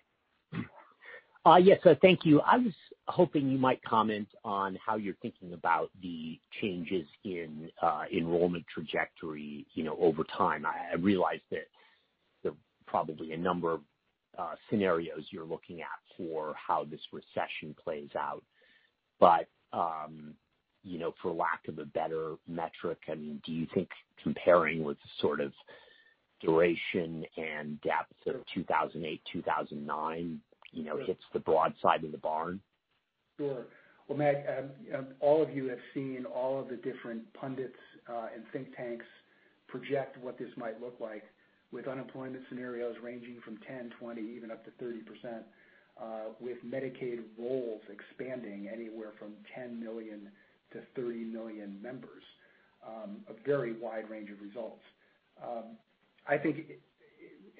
S9: Yes, thank you. I was hoping you might comment on how you're thinking about the changes in enrollment trajectory over time. I realize that there are probably a number of scenarios you're looking at for how this recession plays out. For lack of a better metric, do you think comparing with sort of duration and depth of 2008, 2009, hits the broad side of the barn?
S3: Sure. Well, Matt, all of you have seen all of the different pundits, and think tanks project what this might look like with unemployment scenarios ranging from 10, 20, even up to 30%, with Medicaid rolls expanding anywhere from 10 million to 30 million members. A very wide range of results. I think,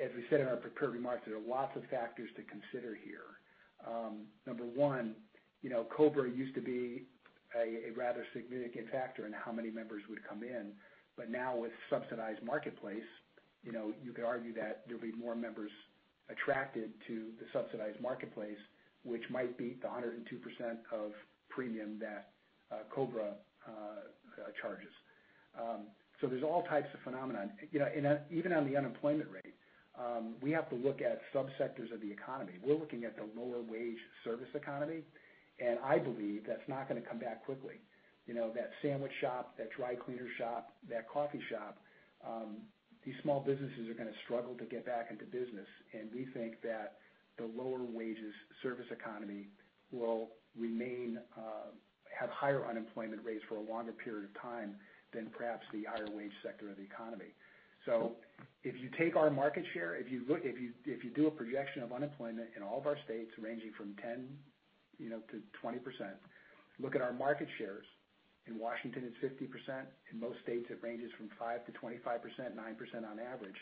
S3: as we said in our prepared remarks, there are lots of factors to consider here. Number one, COBRA used to be a rather significant factor in how many members would come in. Now with subsidized Marketplace, you could argue that there'll be more members attracted to the subsidized Marketplace, which might beat the 102% of premium that COBRA charges. There's all types of phenomenon. Even on the unemployment rate, we have to look at sub-sectors of the economy. We're looking at the lower wage service economy, and I believe that's not going to come back quickly. That sandwich shop, that dry cleaner shop, that coffee shop, these small businesses are going to struggle to get back into business. We think that the lower wages service economy will have higher unemployment rates for a longer period of time than perhaps the higher wage sector of the economy. If you take our market share, if you do a projection of unemployment in all of our states ranging from 10%-20%, look at our market shares. In Washington, it's 50%. In most states, it ranges from 5%-25%, 9% on average.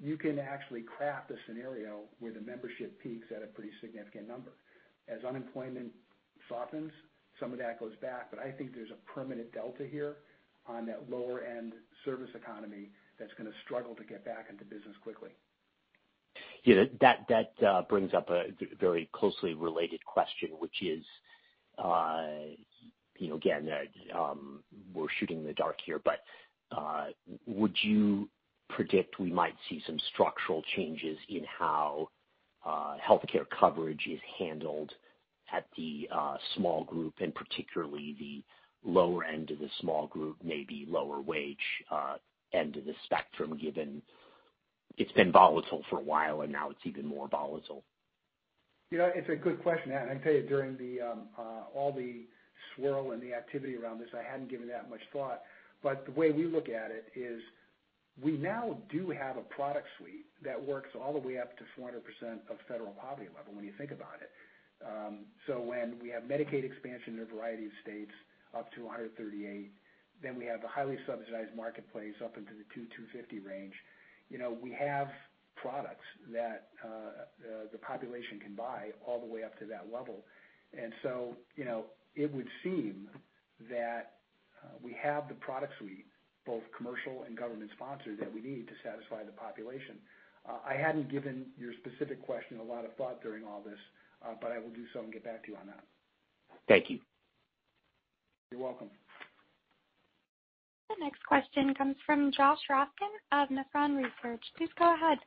S3: You can actually craft a scenario where the membership peaks at a pretty significant number. As unemployment softens, some of that goes back, but I think there's a permanent delta here on that lower end service economy that's going to struggle to get back into business quickly.
S9: Yeah, that brings up a very closely related question, which is, again, we're shooting in the dark here, but would you predict we might see some structural changes in how healthcare coverage is handled at the small group and particularly the lower end of the small group, maybe lower wage end of the spectrum, given it's been volatile for a while, and now it's even more volatile?
S3: It's a good question. I can tell you during all the swirl and the activity around this, I hadn't given that much thought. The way we look at it is we now do have a product suite that works all the way up to 400% of federal poverty level when you think about it. When we have Medicaid expansion in a variety of states up to 138, then we have a highly subsidized Marketplace up into the 200, 250 range. We have products that the population can buy all the way up to that level. It would seem that we have the product suite, both commercial and government sponsored, that we need to satisfy the population. I hadn't given your specific question a lot of thought during all this, but I will do so and get back to you on that.
S9: Thank you.
S3: You're welcome.
S1: The next question comes from Josh Raskin of Nephron Research. Please go ahead.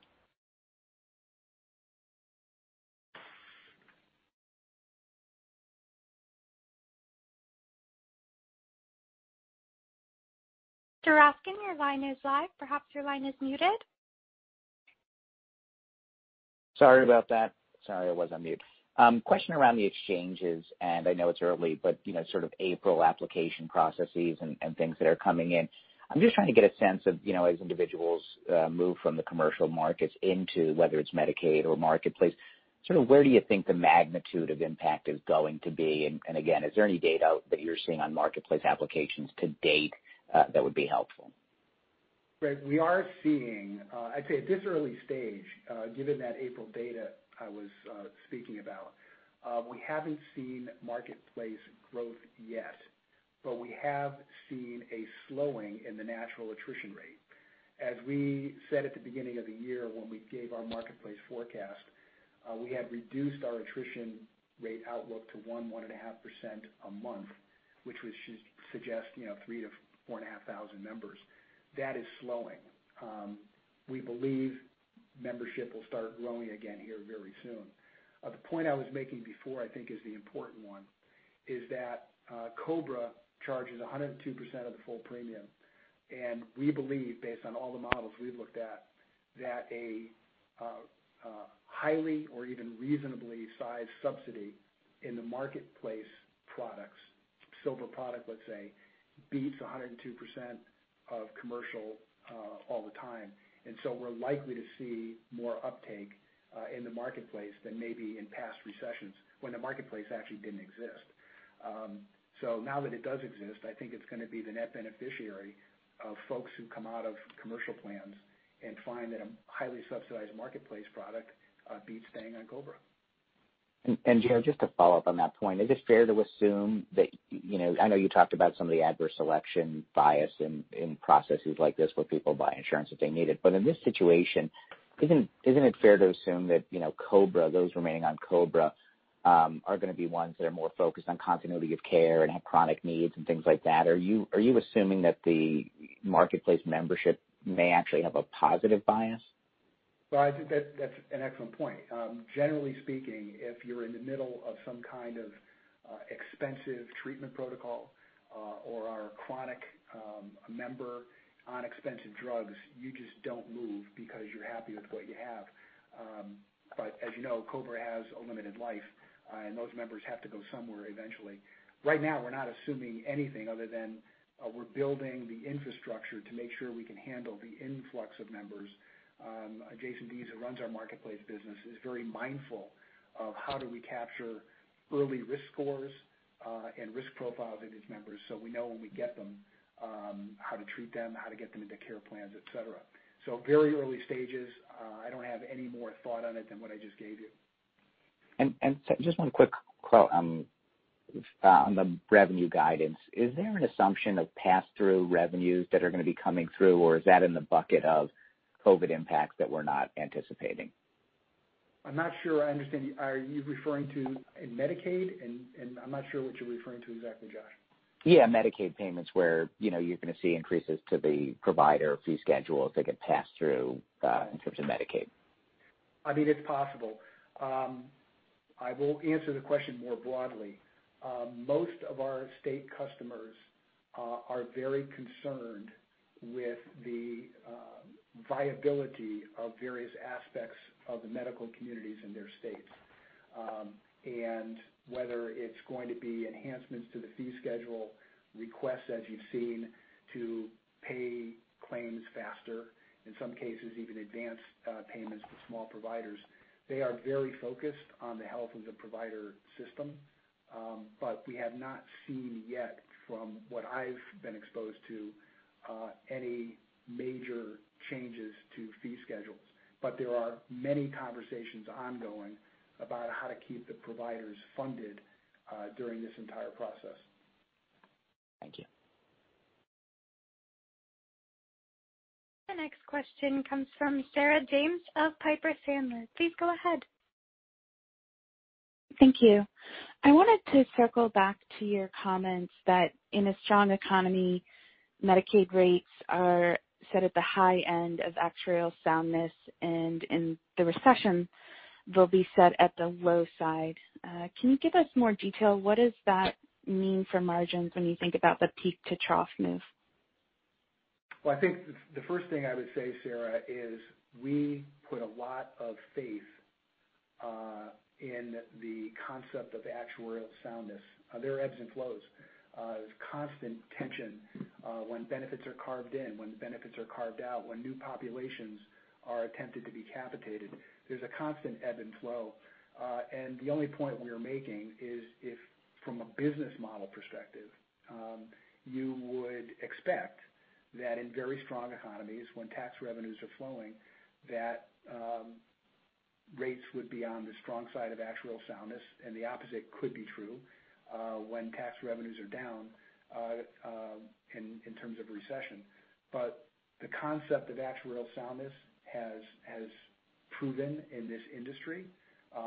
S1: Mr. Raskin, your line is live. Perhaps your line is muted.
S10: Sorry about that. Sorry, I was on mute. Question around the exchanges, and I know it's early, but sort of April application processes and things that are coming in. I'm just trying to get a sense of, as individuals move from the commercial markets into whether it's Medicaid or Marketplace, sort of where do you think the magnitude of impact is going to be? Again, is there any data that you're seeing on Marketplace applications to date that would be helpful?
S3: Right. We are seeing, I'd say at this early stage, given that April data I was speaking about, we haven't seen Marketplace growth yet, but we have seen a slowing in the natural attrition rate. As we said at the beginning of the year when we gave our Marketplace forecast, we had reduced our attrition rate outlook to 1%, 1.5% a month, which would suggest 3,000 to 4,500 members. That is slowing. We believe membership will start growing again here very soon. The point I was making before, I think is the important one, is that COBRA charges 102% of the full premium, and we believe, based on all the models we've looked at, that a highly or even reasonably sized subsidy in the Marketplace products, silver product, let's say, beats 102% of commercial all the time. We're likely to see more uptake in the Marketplace than maybe in past recessions when the Marketplace actually didn't exist. Now that it does exist, I think it's going to be the net beneficiary of folks who come out of commercial plans and find that a highly subsidized Marketplace product beats staying on COBRA.
S10: Joe, just to follow up on that point, is it fair to assume that I know you talked about some of the adverse selection bias in processes like this, where people buy insurance if they need it. In this situation, isn't it fair to assume that COBRA, those remaining on COBRA, are going to be ones that are more focused on continuity of care and have chronic needs and things like that? Are you assuming that the Marketplace membership may actually have a positive bias?
S3: Well, I think that's an excellent point. Generally speaking, if you're in the middle of some kind of expensive treatment protocol or are a chronic member on expensive drugs, you just don't move because you're happy with what you have. As you know, COBRA has a limited life, and those members have to go somewhere eventually. Right now, we're not assuming anything other than we're building the infrastructure to make sure we can handle the influx of members. Jason Dees, who runs our Marketplace business, is very mindful of how do we capture early risk scores and risk profiles of these members so we know when we get them, how to treat them, how to get them into care plans, et cetera. Very early stages. I don't have any more thought on it than what I just gave you.
S10: Just one quick quote on the revenue guidance. Is there an assumption of pass-through revenues that are going to be coming through, or is that in the bucket of COVID impacts that we're not anticipating?
S3: I'm not sure I understand. Are you referring to in Medicaid? I'm not sure what you're referring to exactly, Josh.
S10: Yeah, Medicaid payments, where you're going to see increases to the provider fee schedules that get passed through in terms of Medicaid.
S3: It's possible. I will answer the question more broadly. Most of our state customers are very concerned with the viability of various aspects of the medical communities in their states. Whether it's going to be enhancements to the fee schedule, requests, as you've seen, to pay claims faster, in some cases, even advanced payments to small providers. They are very focused on the health of the provider system. We have not seen yet, from what I've been exposed to, any major changes to fee schedules. There are many conversations ongoing about how to keep the providers funded during this entire process.
S10: Thank you.
S1: The next question comes from Sarah James of Piper Sandler. Please go ahead.
S11: Thank you. I wanted to circle back to your comments that in a strong economy, Medicaid rates are set at the high end of actuarial soundness, and in the recession, they'll be set at the low side. Can you give us more detail? What does that mean for margins when you think about the peak-to-trough move?
S3: Well, I think the first thing I would say, Sarah, is we put a lot of faith in the concept of actuarial soundness. There are ebbs and flows. There's constant tension when benefits are carved in, when benefits are carved out, when new populations are attempted to be capitated. There's a constant ebb and flow. The only point we are making is if from a business model perspective, you would expect that in very strong economies, when tax revenues are flowing, that rates would be on the strong side of actuarial soundness, and the opposite could be true when tax revenues are down in terms of recession. The concept of actuarial soundness has proven in this industry.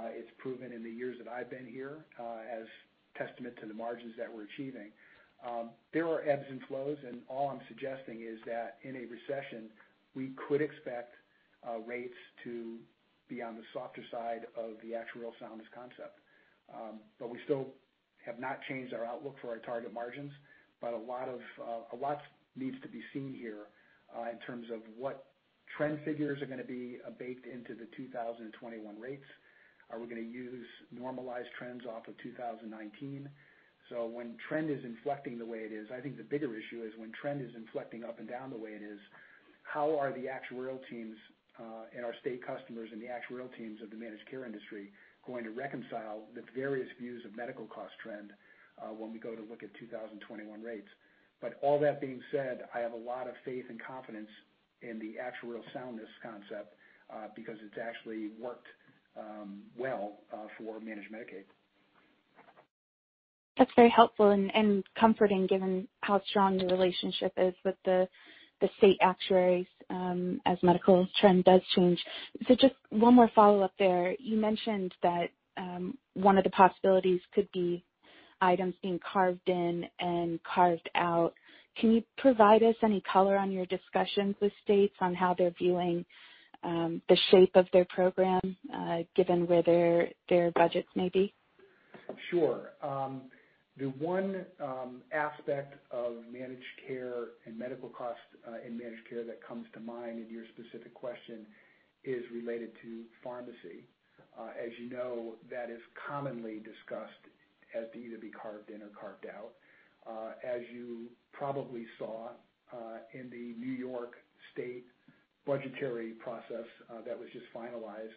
S3: It's proven in the years that I've been here as testament to the margins that we're achieving. There are ebbs and flows, and all I'm suggesting is that in a recession, we could expect rates to be on the softer side of the actuarial soundness concept. We still have not changed our outlook for our target margins, but a lot needs to be seen here in terms of what trend figures are going to be baked into the 2021 rates. Are we going to use normalized trends off of 2019? When trend is inflecting the way it is, I think the bigger issue is when trend is inflecting up and down the way it is, how are the actuarial teams and our state customers and the actuarial teams of the managed care industry going to reconcile the various views of medical cost trend when we go to look at 2021 rates? All that being said, I have a lot of faith and confidence in the actuarial soundness concept because it's actually worked well for Managed Medicaid.
S11: That's very helpful and comforting given how strong the relationship is with the state actuaries as medical trend does change. Just one more follow-up there. You mentioned that one of the possibilities could be items being carved in and carved out. Can you provide us any color on your discussions with states on how they're viewing the shape of their program given where their budgets may be?
S3: Sure. The one aspect of managed care and medical cost in managed care that comes to mind in your specific question is related to pharmacy. As you know, that is commonly discussed as to either be carved in or carved out. As you probably saw in the New York State budgetary process that was just finalized,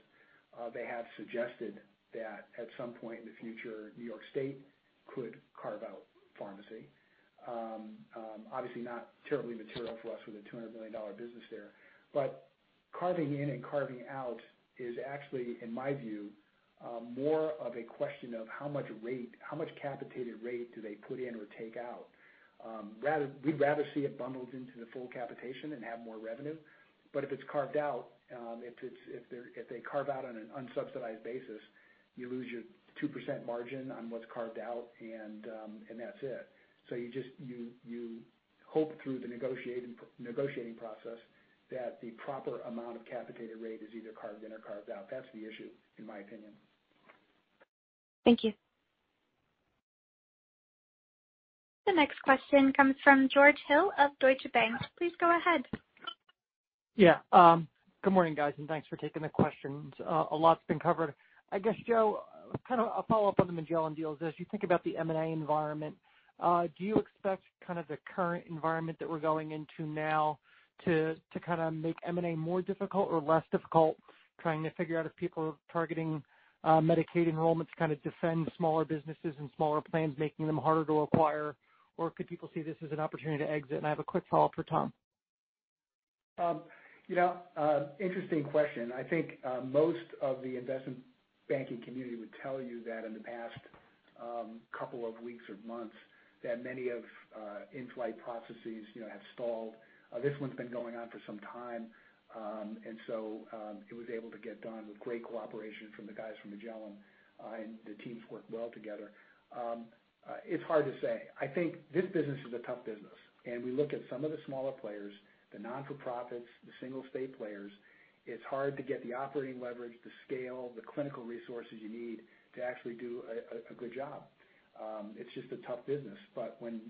S3: they have suggested that at some point in the future, New York State could carve out pharmacy. Obviously not terribly material for us with a $200 million business there. Carving in and carving out is actually, in my view, more of a question of how much capitated rate do they put in or take out. We'd rather see it bundled into the full capitation and have more revenue. If it's carved out on an unsubsidized basis, you lose your 2% margin on what's carved out, and that's it. You hope through the negotiating process that the proper amount of capitated rate is either carved in or carved out. That's the issue, in my opinion.
S11: Thank you.
S1: The next question comes from George Hill of Deutsche Bank. Please go ahead.
S12: Yeah. Good morning, guys, and thanks for taking the questions. A lot's been covered. I guess, Joe, kind of a follow-up on the Magellan deal is, as you think about the M&A environment, do you expect the current environment that we're going into now to make M&A more difficult or less difficult, trying to figure out if people are targeting Medicaid enrollments to kind of defend smaller businesses and smaller plans, making them harder to acquire, or could people see this as an opportunity to exit? I have a quick follow-up for Tom.
S3: Interesting question. I think most of the investment banking community would tell you that in the past couple of weeks or months that many in-flight processes have stalled. This one's been going on for some time, and so, it was able to get done with great cooperation from the guys from Magellan, and the teams worked well together. It's hard to say. I think this business is a tough business, and we look at some of the smaller players, the not-for-profits, the single-state players. It's hard to get the operating leverage, the scale, the clinical resources you need to actually do a good job. It's just a tough business. When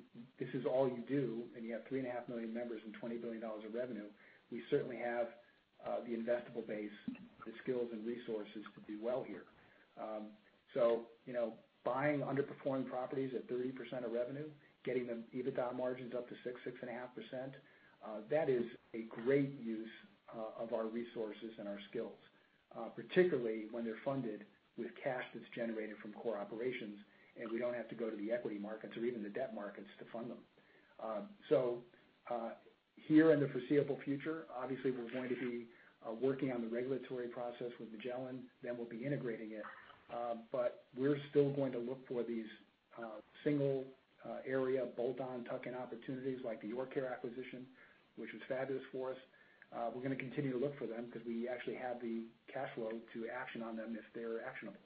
S3: this is all you do, and you have 3.5 million members and $20 billion of revenue, we certainly have the investable base, the skills, and resources to do well here. Buying underperforming properties at 30% of revenue, getting them EBITDA margins up to 6.5%, that is a great use of our resources and our skills, particularly when they're funded with cash that's generated from core operations, and we don't have to go to the equity markets or even the debt markets to fund them. Here in the foreseeable future, obviously, we're going to be working on the regulatory process with Magellan, then we'll be integrating it. We're still going to look for these single area bolt-on tuck-in opportunities like the YourCare acquisition, which is fabulous for us. We're going to continue to look for them because we actually have the cash flow to action on them if they're actionable.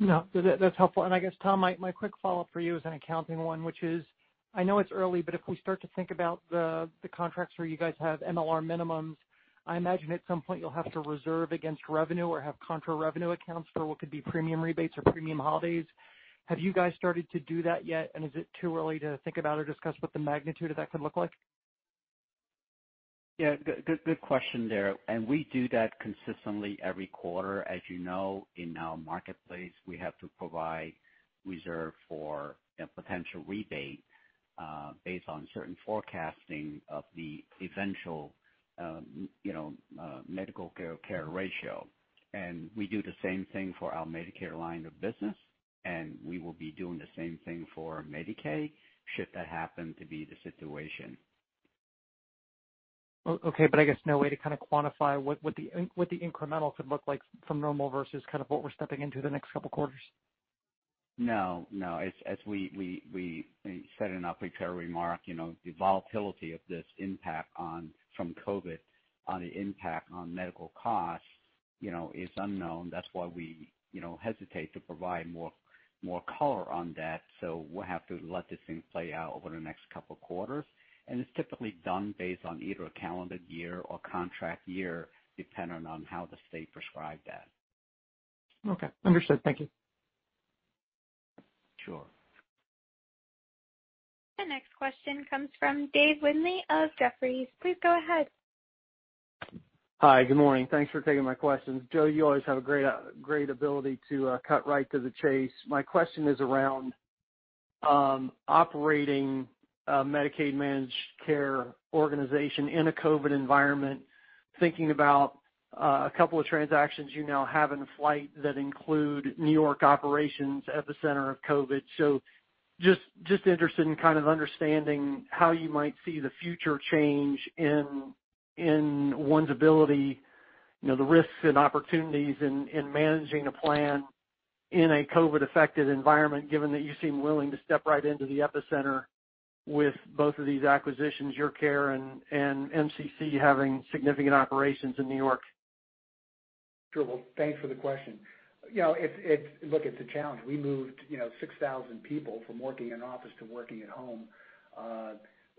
S12: No, that's helpful. I guess, Tom, my quick follow-up for you is an accounting one, which is, I know it's early, but if we start to think about the contracts where you guys have MLR minimums, I imagine at some point you'll have to reserve against revenue or have contra revenue accounts for what could be premium rebates or premium holidays. Have you guys started to do that yet? Is it too early to think about or discuss what the magnitude of that could look like?
S4: Yeah. Good question, there. We do that consistently every quarter. As you know, in our Marketplace, we have to provide reserve for potential rebate, based on certain forecasting of the eventual medical care ratio. We do the same thing for our Medicare line of business, and we will be doing the same thing for Medicaid, should that happen to be the situation.
S12: Okay. I guess no way to kind of quantify what the incremental could look like from normal versus what we're stepping into the next couple of quarters?
S4: No. As we said in our prepared remark, the volatility of this impact from COVID on the impact on medical costs is unknown. That's why we hesitate to provide more color on that. We'll have to let this thing play out over the next couple of quarters, and it's typically done based on either a calendar year or contract year, depending on how the state prescribed that.
S12: Okay. Understood. Thank you.
S4: Sure.
S1: The next question comes from Dave Windley of Jefferies. Please go ahead.
S13: Hi. Good morning. Thanks for taking my questions. Joe, you always have a great ability to cut right to the chase. My question is around operating a Medicaid managed care organization in a COVID environment, thinking about a couple of transactions you now have in flight that include New York operations, epicenter of COVID. Just interested in kind of understanding how you might see the future change in one's ability, the risks, and opportunities in managing a plan in a COVID-affected environment, given that you seem willing to step right into the epicenter with both of these acquisitions, YourCare and MCC having significant operations in New York.
S3: Sure. Thanks for the question. Look, it's a challenge. We moved 6,000 people from working in office to working at home.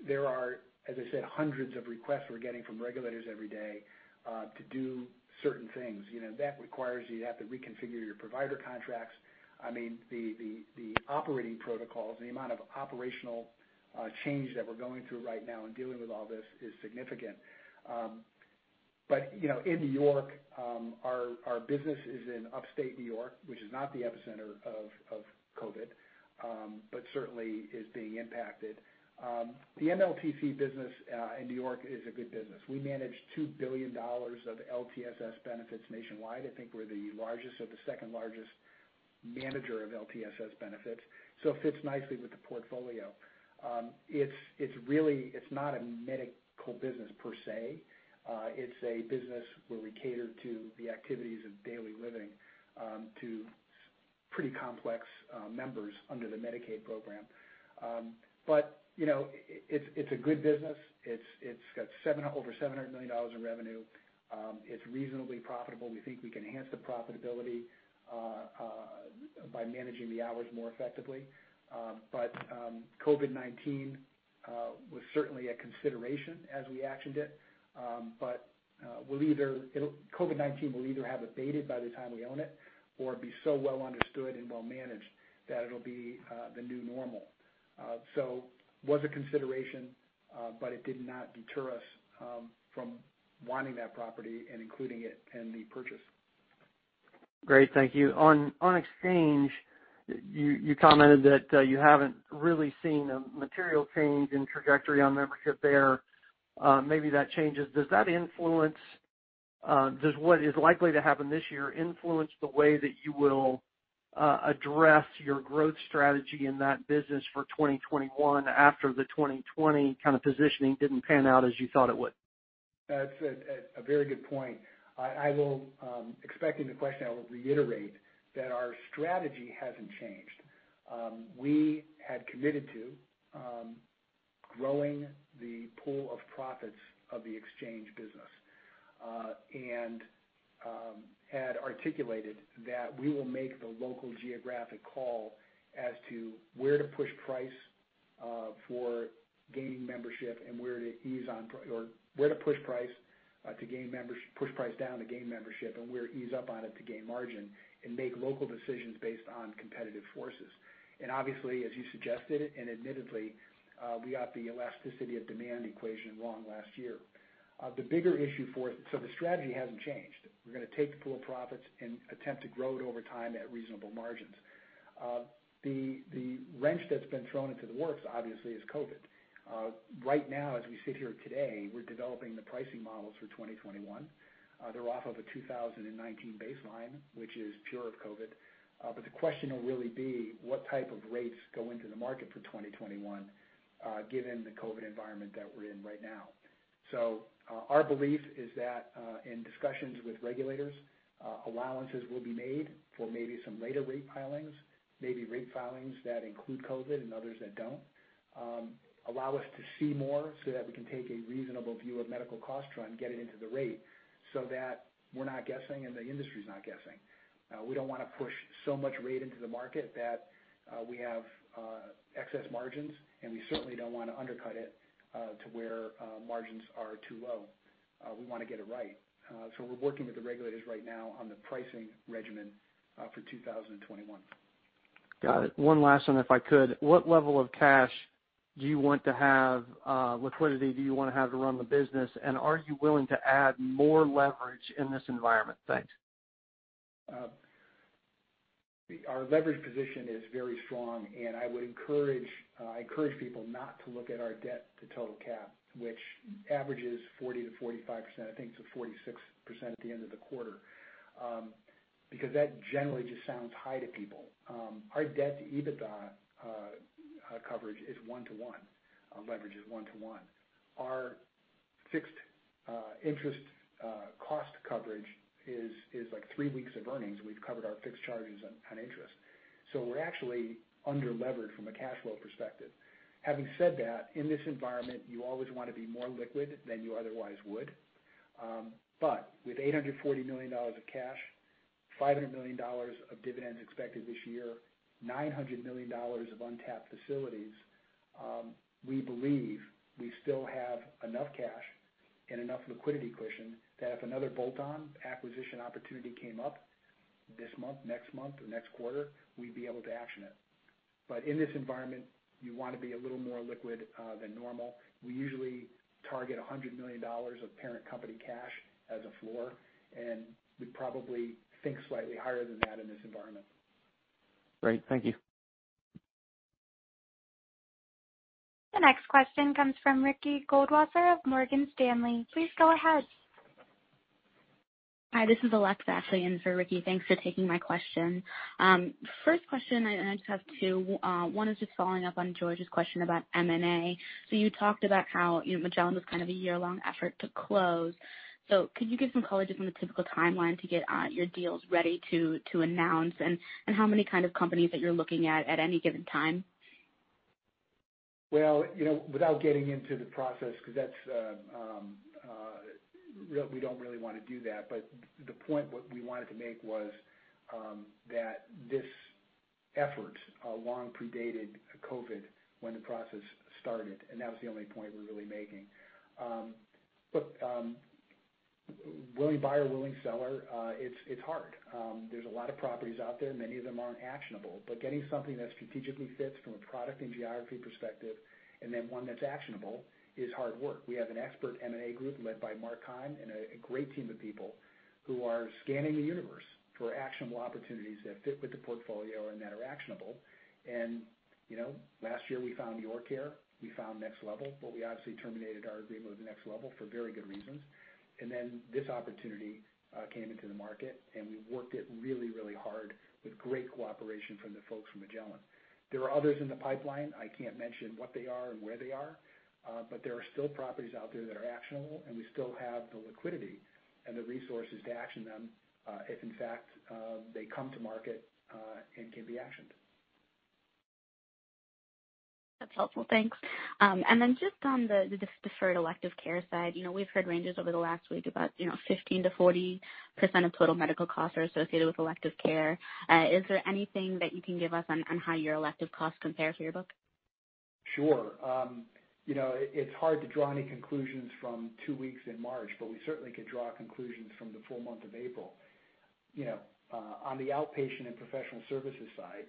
S3: There are, as I said, hundreds of requests we're getting from regulators every day, to do certain things. That requires you to have to reconfigure your provider contracts. The operating protocols, the amount of operational change that we're going through right now in dealing with all this is significant. In New York, our business is in upstate New York, which is not the epicenter of COVID, but certainly is being impacted. The MLTC business in New York is a good business. We manage $2 billion of LTSS benefits nationwide. I think we're the largest or the second largest manager of LTSS benefits, so it fits nicely with the portfolio. It's not a medical business per se. It's a business where we cater to the activities of daily living to pretty complex members under the Medicaid program. It's a good business. It's got over $700 million in revenue. It's reasonably profitable. We think we can enhance the profitability by managing the hours more effectively. COVID-19 was certainly a consideration as we actioned it. COVID-19 will either have abated by the time we own it or be so well understood and well managed that it'll be the new normal. Was a consideration, but it did not deter us from wanting that property and including it in the purchase.
S13: Great. Thank you. On exchange, you commented that you haven't really seen a material change in trajectory on membership there. Maybe that changes. Does what is likely to happen this year influence the way that you will address your growth strategy in that business for 2021 after the 2020 positioning didn't pan out as you thought it would?
S3: That's a very good point. Expecting the question, I will reiterate that our strategy hasn't changed. We had committed to growing the pool of profits of the Exchange business, and had articulated that we will make the local geographic call as to where to push price down to gain membership, and where to ease up on it to gain margin, and make local decisions based on competitive forces. Obviously, as you suggested, and admittedly, we got the elasticity of demand equation wrong last year. The strategy hasn't changed. We're going to take the pool of profits and attempt to grow it over time at reasonable margins. The wrench that's been thrown into the works, obviously, is COVID. Right now, as we sit here today, we're developing the pricing models for 2021. They're off of a 2019 baseline, which is pure of COVID. The question will really be what type of rates go into the market for 2021, given the COVID-19 environment that we're in right now. Our belief is that in discussions with regulators, allowances will be made for maybe some later rate filings, maybe rate filings that include COVID-19 and others that don't. Allow us to see more so that we can take a reasonable view of medical cost trend, get it into the rate so that we're not guessing and the industry's not guessing. We don't want to push so much rate into the market that we have excess margins, and we certainly don't want to undercut it to where margins are too low. We want to get it right. We're working with the regulators right now on the pricing regimen for 2021.
S13: Got it. One last one, if I could. What level of cash liquidity do you want to have to run the business, and are you willing to add more leverage in this environment? Thanks.
S3: Our leverage position is very strong. I encourage people not to look at our debt to total cap, which averages 40%-45%. I think it's at 46% at the end of the quarter, because that generally just sounds high to people. Our debt to EBITDA coverage is 1 to 1. Our leverage is 1 to 1. Our fixed interest cost coverage is three weeks of earnings. We've covered our fixed charges on interest. We're actually under-levered from a cash flow perspective. Having said that, in this environment, you always want to be more liquid than you otherwise would. With $840 million of cash, $500 million of dividends expected this year, $900 million of untapped facilities, we believe we still have enough cash and enough liquidity cushion that if another bolt-on acquisition opportunity came up this month, next month, or next quarter, we'd be able to action it. In this environment, you want to be a little more liquid than normal. We usually target $100 million of parent company cash as a floor, and we probably think slightly higher than that in this environment.
S13: Great. Thank you.
S1: The next question comes from Ricky Goldwasser of Morgan Stanley. Please go ahead.
S14: Hi, this is Alexa, in for Ricky. Thanks for taking my question. First question. I just have two. One is just following up on George's question about M&A. You talked about how Magellan was kind of a year-long effort to close. Could you give some color just on the typical timeline to get your deals ready to announce, and how many kind of companies that you're looking at at any given time?
S3: Well, without getting into the process, because we don't really want to do that. The point we wanted to make was that this effort long predated COVID when the process started, and that was the only point we were really making. Willing buyer, willing seller, it's hard. There's a lot of properties out there. Many of them aren't actionable. Getting something that strategically fits from a product and geography perspective, and then one that's actionable is hard work. We have an expert M&A group led by Mark Keim and a great team of people who are scanning the universe for actionable opportunities that fit with the portfolio and that are actionable. Last year, we found YourCare, we found NextLevel, but we obviously terminated our agreement with NextLevel for very good reasons. This opportunity came into the market, and we worked it really, really hard with great cooperation from the folks from Magellan. There are others in the pipeline. I can't mention what they are and where they are. There are still properties out there that are actionable, and we still have the liquidity and the resources to action them if, in fact, they come to market and can be actioned.
S14: That's helpful. Thanks. Then just on the deferred elective care side, we've heard ranges over the last week about 15%-40% of total medical costs are associated with elective care. Is there anything that you can give us on how your elective costs compare for your book?
S3: Sure. It's hard to draw any conclusions from two weeks in March, but we certainly could draw conclusions from the full month of April. On the outpatient and professional services side,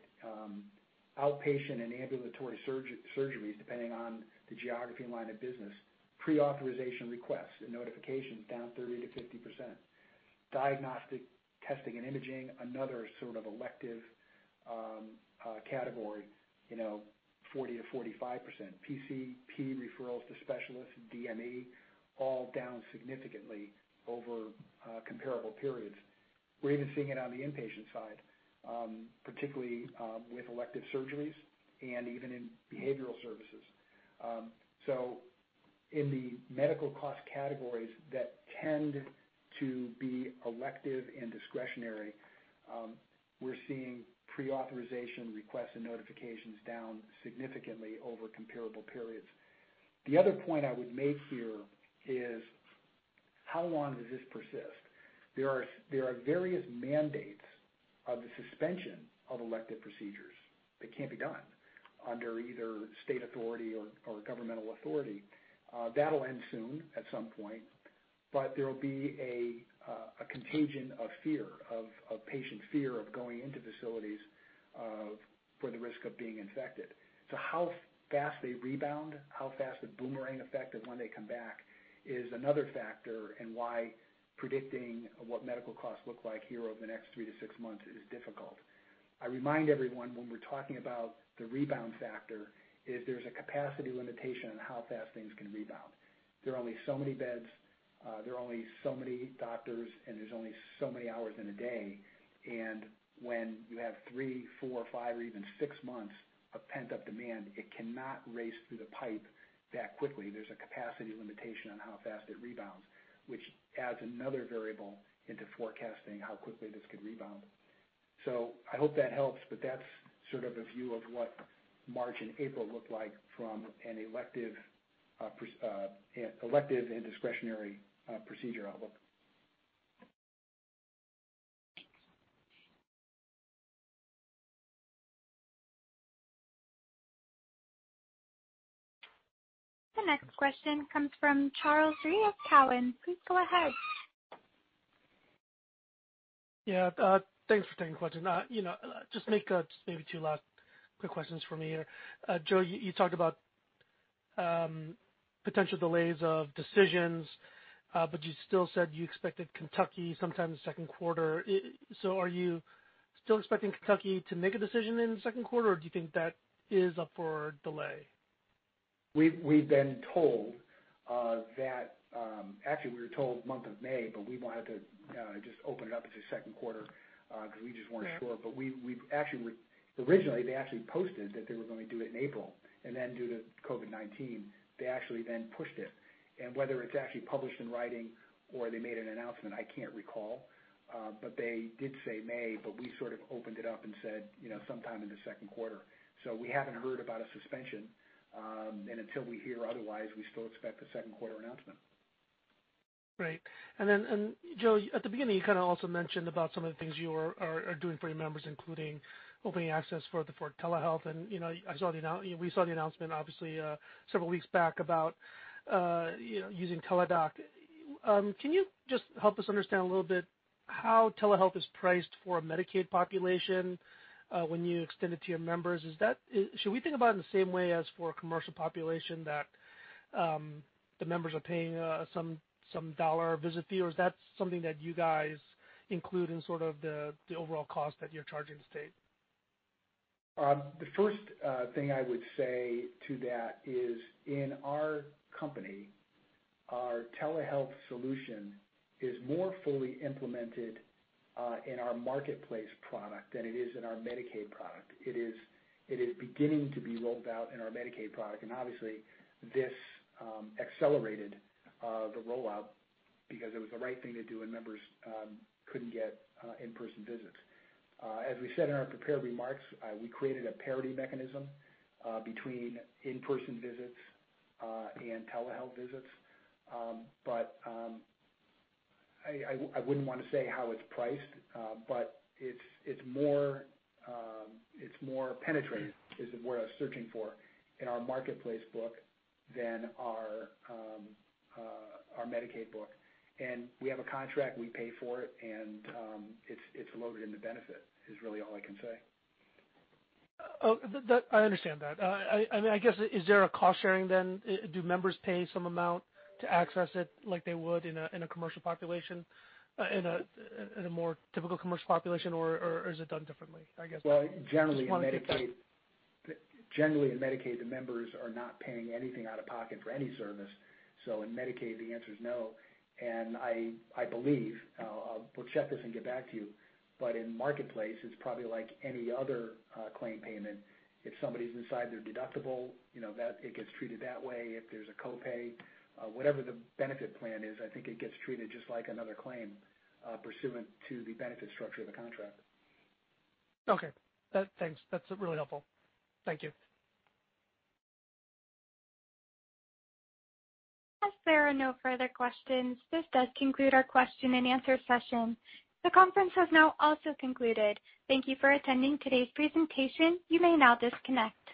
S3: outpatient and ambulatory surgeries, depending on the geography and line of business, pre-authorization requests and notifications down 30%-50%. Diagnostic testing and imaging, another sort of elective category, 40%-45%. PCP referrals to specialists, DME, all down significantly over comparable periods. We're even seeing it on the inpatient side, particularly with elective surgeries and even in behavioral services. In the medical cost categories that tend to be elective and discretionary, we're seeing pre-authorization requests and notifications down significantly over comparable periods. The other point I would make here is, how long does this persist? There are various mandates of the suspension of elective procedures. They can't be done under either state authority or governmental authority. That'll end soon, at some point. There'll be a contagion of fear, of patient fear of going into facilities for the risk of being infected. How fast they rebound, how fast the boomerang effect of when they come back is another factor in why predicting what medical costs look like here over the next three to six months is difficult. I remind everyone when we're talking about the rebound factor, there's a capacity limitation on how fast things can rebound. There are only so many beds, there are only so many doctors. There's only so many hours in a day. When you have three, four, five, or even six months of pent-up demand, it cannot race through the pipe that quickly. There's a capacity limitation on how fast it rebounds, which adds another variable into forecasting how quickly this could rebound. I hope that helps, but that's sort of a view of what March and April look like from an elective and discretionary procedure outlook.
S14: Thanks.
S1: The next question comes from Charles Rhyee of Cowen. Please go ahead.
S15: Yeah, thanks for taking the question. Just make maybe two last quick questions for me here. Joe, you talked about potential delays of decisions, but you still said you expected Kentucky sometime in the second quarter. Are you still expecting Kentucky to make a decision in the second quarter, or do you think that is up for delay?
S3: We've been told that. Actually, we were told the month of May, but we wanted to just open it up into second quarter, because we just weren't sure. Originally, they actually posted that they were going to do it in April, and then due to COVID-19, they actually then pushed it. Whether it's actually published in writing or they made an announcement, I can't recall. They did say May, but we sort of opened it up and said sometime in the second quarter. We haven't heard about a suspension, and until we hear otherwise, we still expect a second quarter announcement.
S15: Great. Joe, at the beginning, you kind of also mentioned about some of the things you are doing for your members, including opening access for telehealth. We saw the announcement, obviously, several weeks back about using Teladoc. Can you just help us understand a little bit how telehealth is priced for a Medicaid population when you extend it to your members? Should we think about it in the same way as for a commercial population, that the members are paying some dollar visit fee, or is that something that you guys include in sort of the overall cost that you're charging the state?
S3: The first thing I would say to that is in our company, our telehealth solution is more fully implemented in our Marketplace product than it is in our Medicaid product. It is beginning to be rolled out in our Medicaid product. Obviously, this accelerated the rollout because it was the right thing to do, and members couldn't get in-person visits. As we said in our prepared remarks, we created a parity mechanism between in-person visits and telehealth visits. I wouldn't want to say how it's priced, but it's more penetrating, is the word I was searching for, in our Marketplace book than our Medicaid book. We have a contract, we pay for it, and it's loaded into benefit, is really all I can say.
S15: I understand that. I guess, is there a cost-sharing then? Do members pay some amount to access it like they would in a more typical commercial population, or is it done differently, I guess? I just want to get that.
S3: Generally in Medicaid, the members are not paying anything out of pocket for any service. In Medicaid, the answer is no. I believe, we'll check this and get back to you, but in Marketplace, it's probably like any other claim payment. If somebody's inside their deductible, it gets treated that way. If there's a copay, whatever the benefit plan is, I think it gets treated just like another claim pursuant to the benefit structure of the contract.
S15: Okay. Thanks. That's really helpful. Thank you.
S1: As there are no further questions, this does conclude our question and answer session. The conference has now also concluded. Thank you for attending today's presentation. You may now disconnect.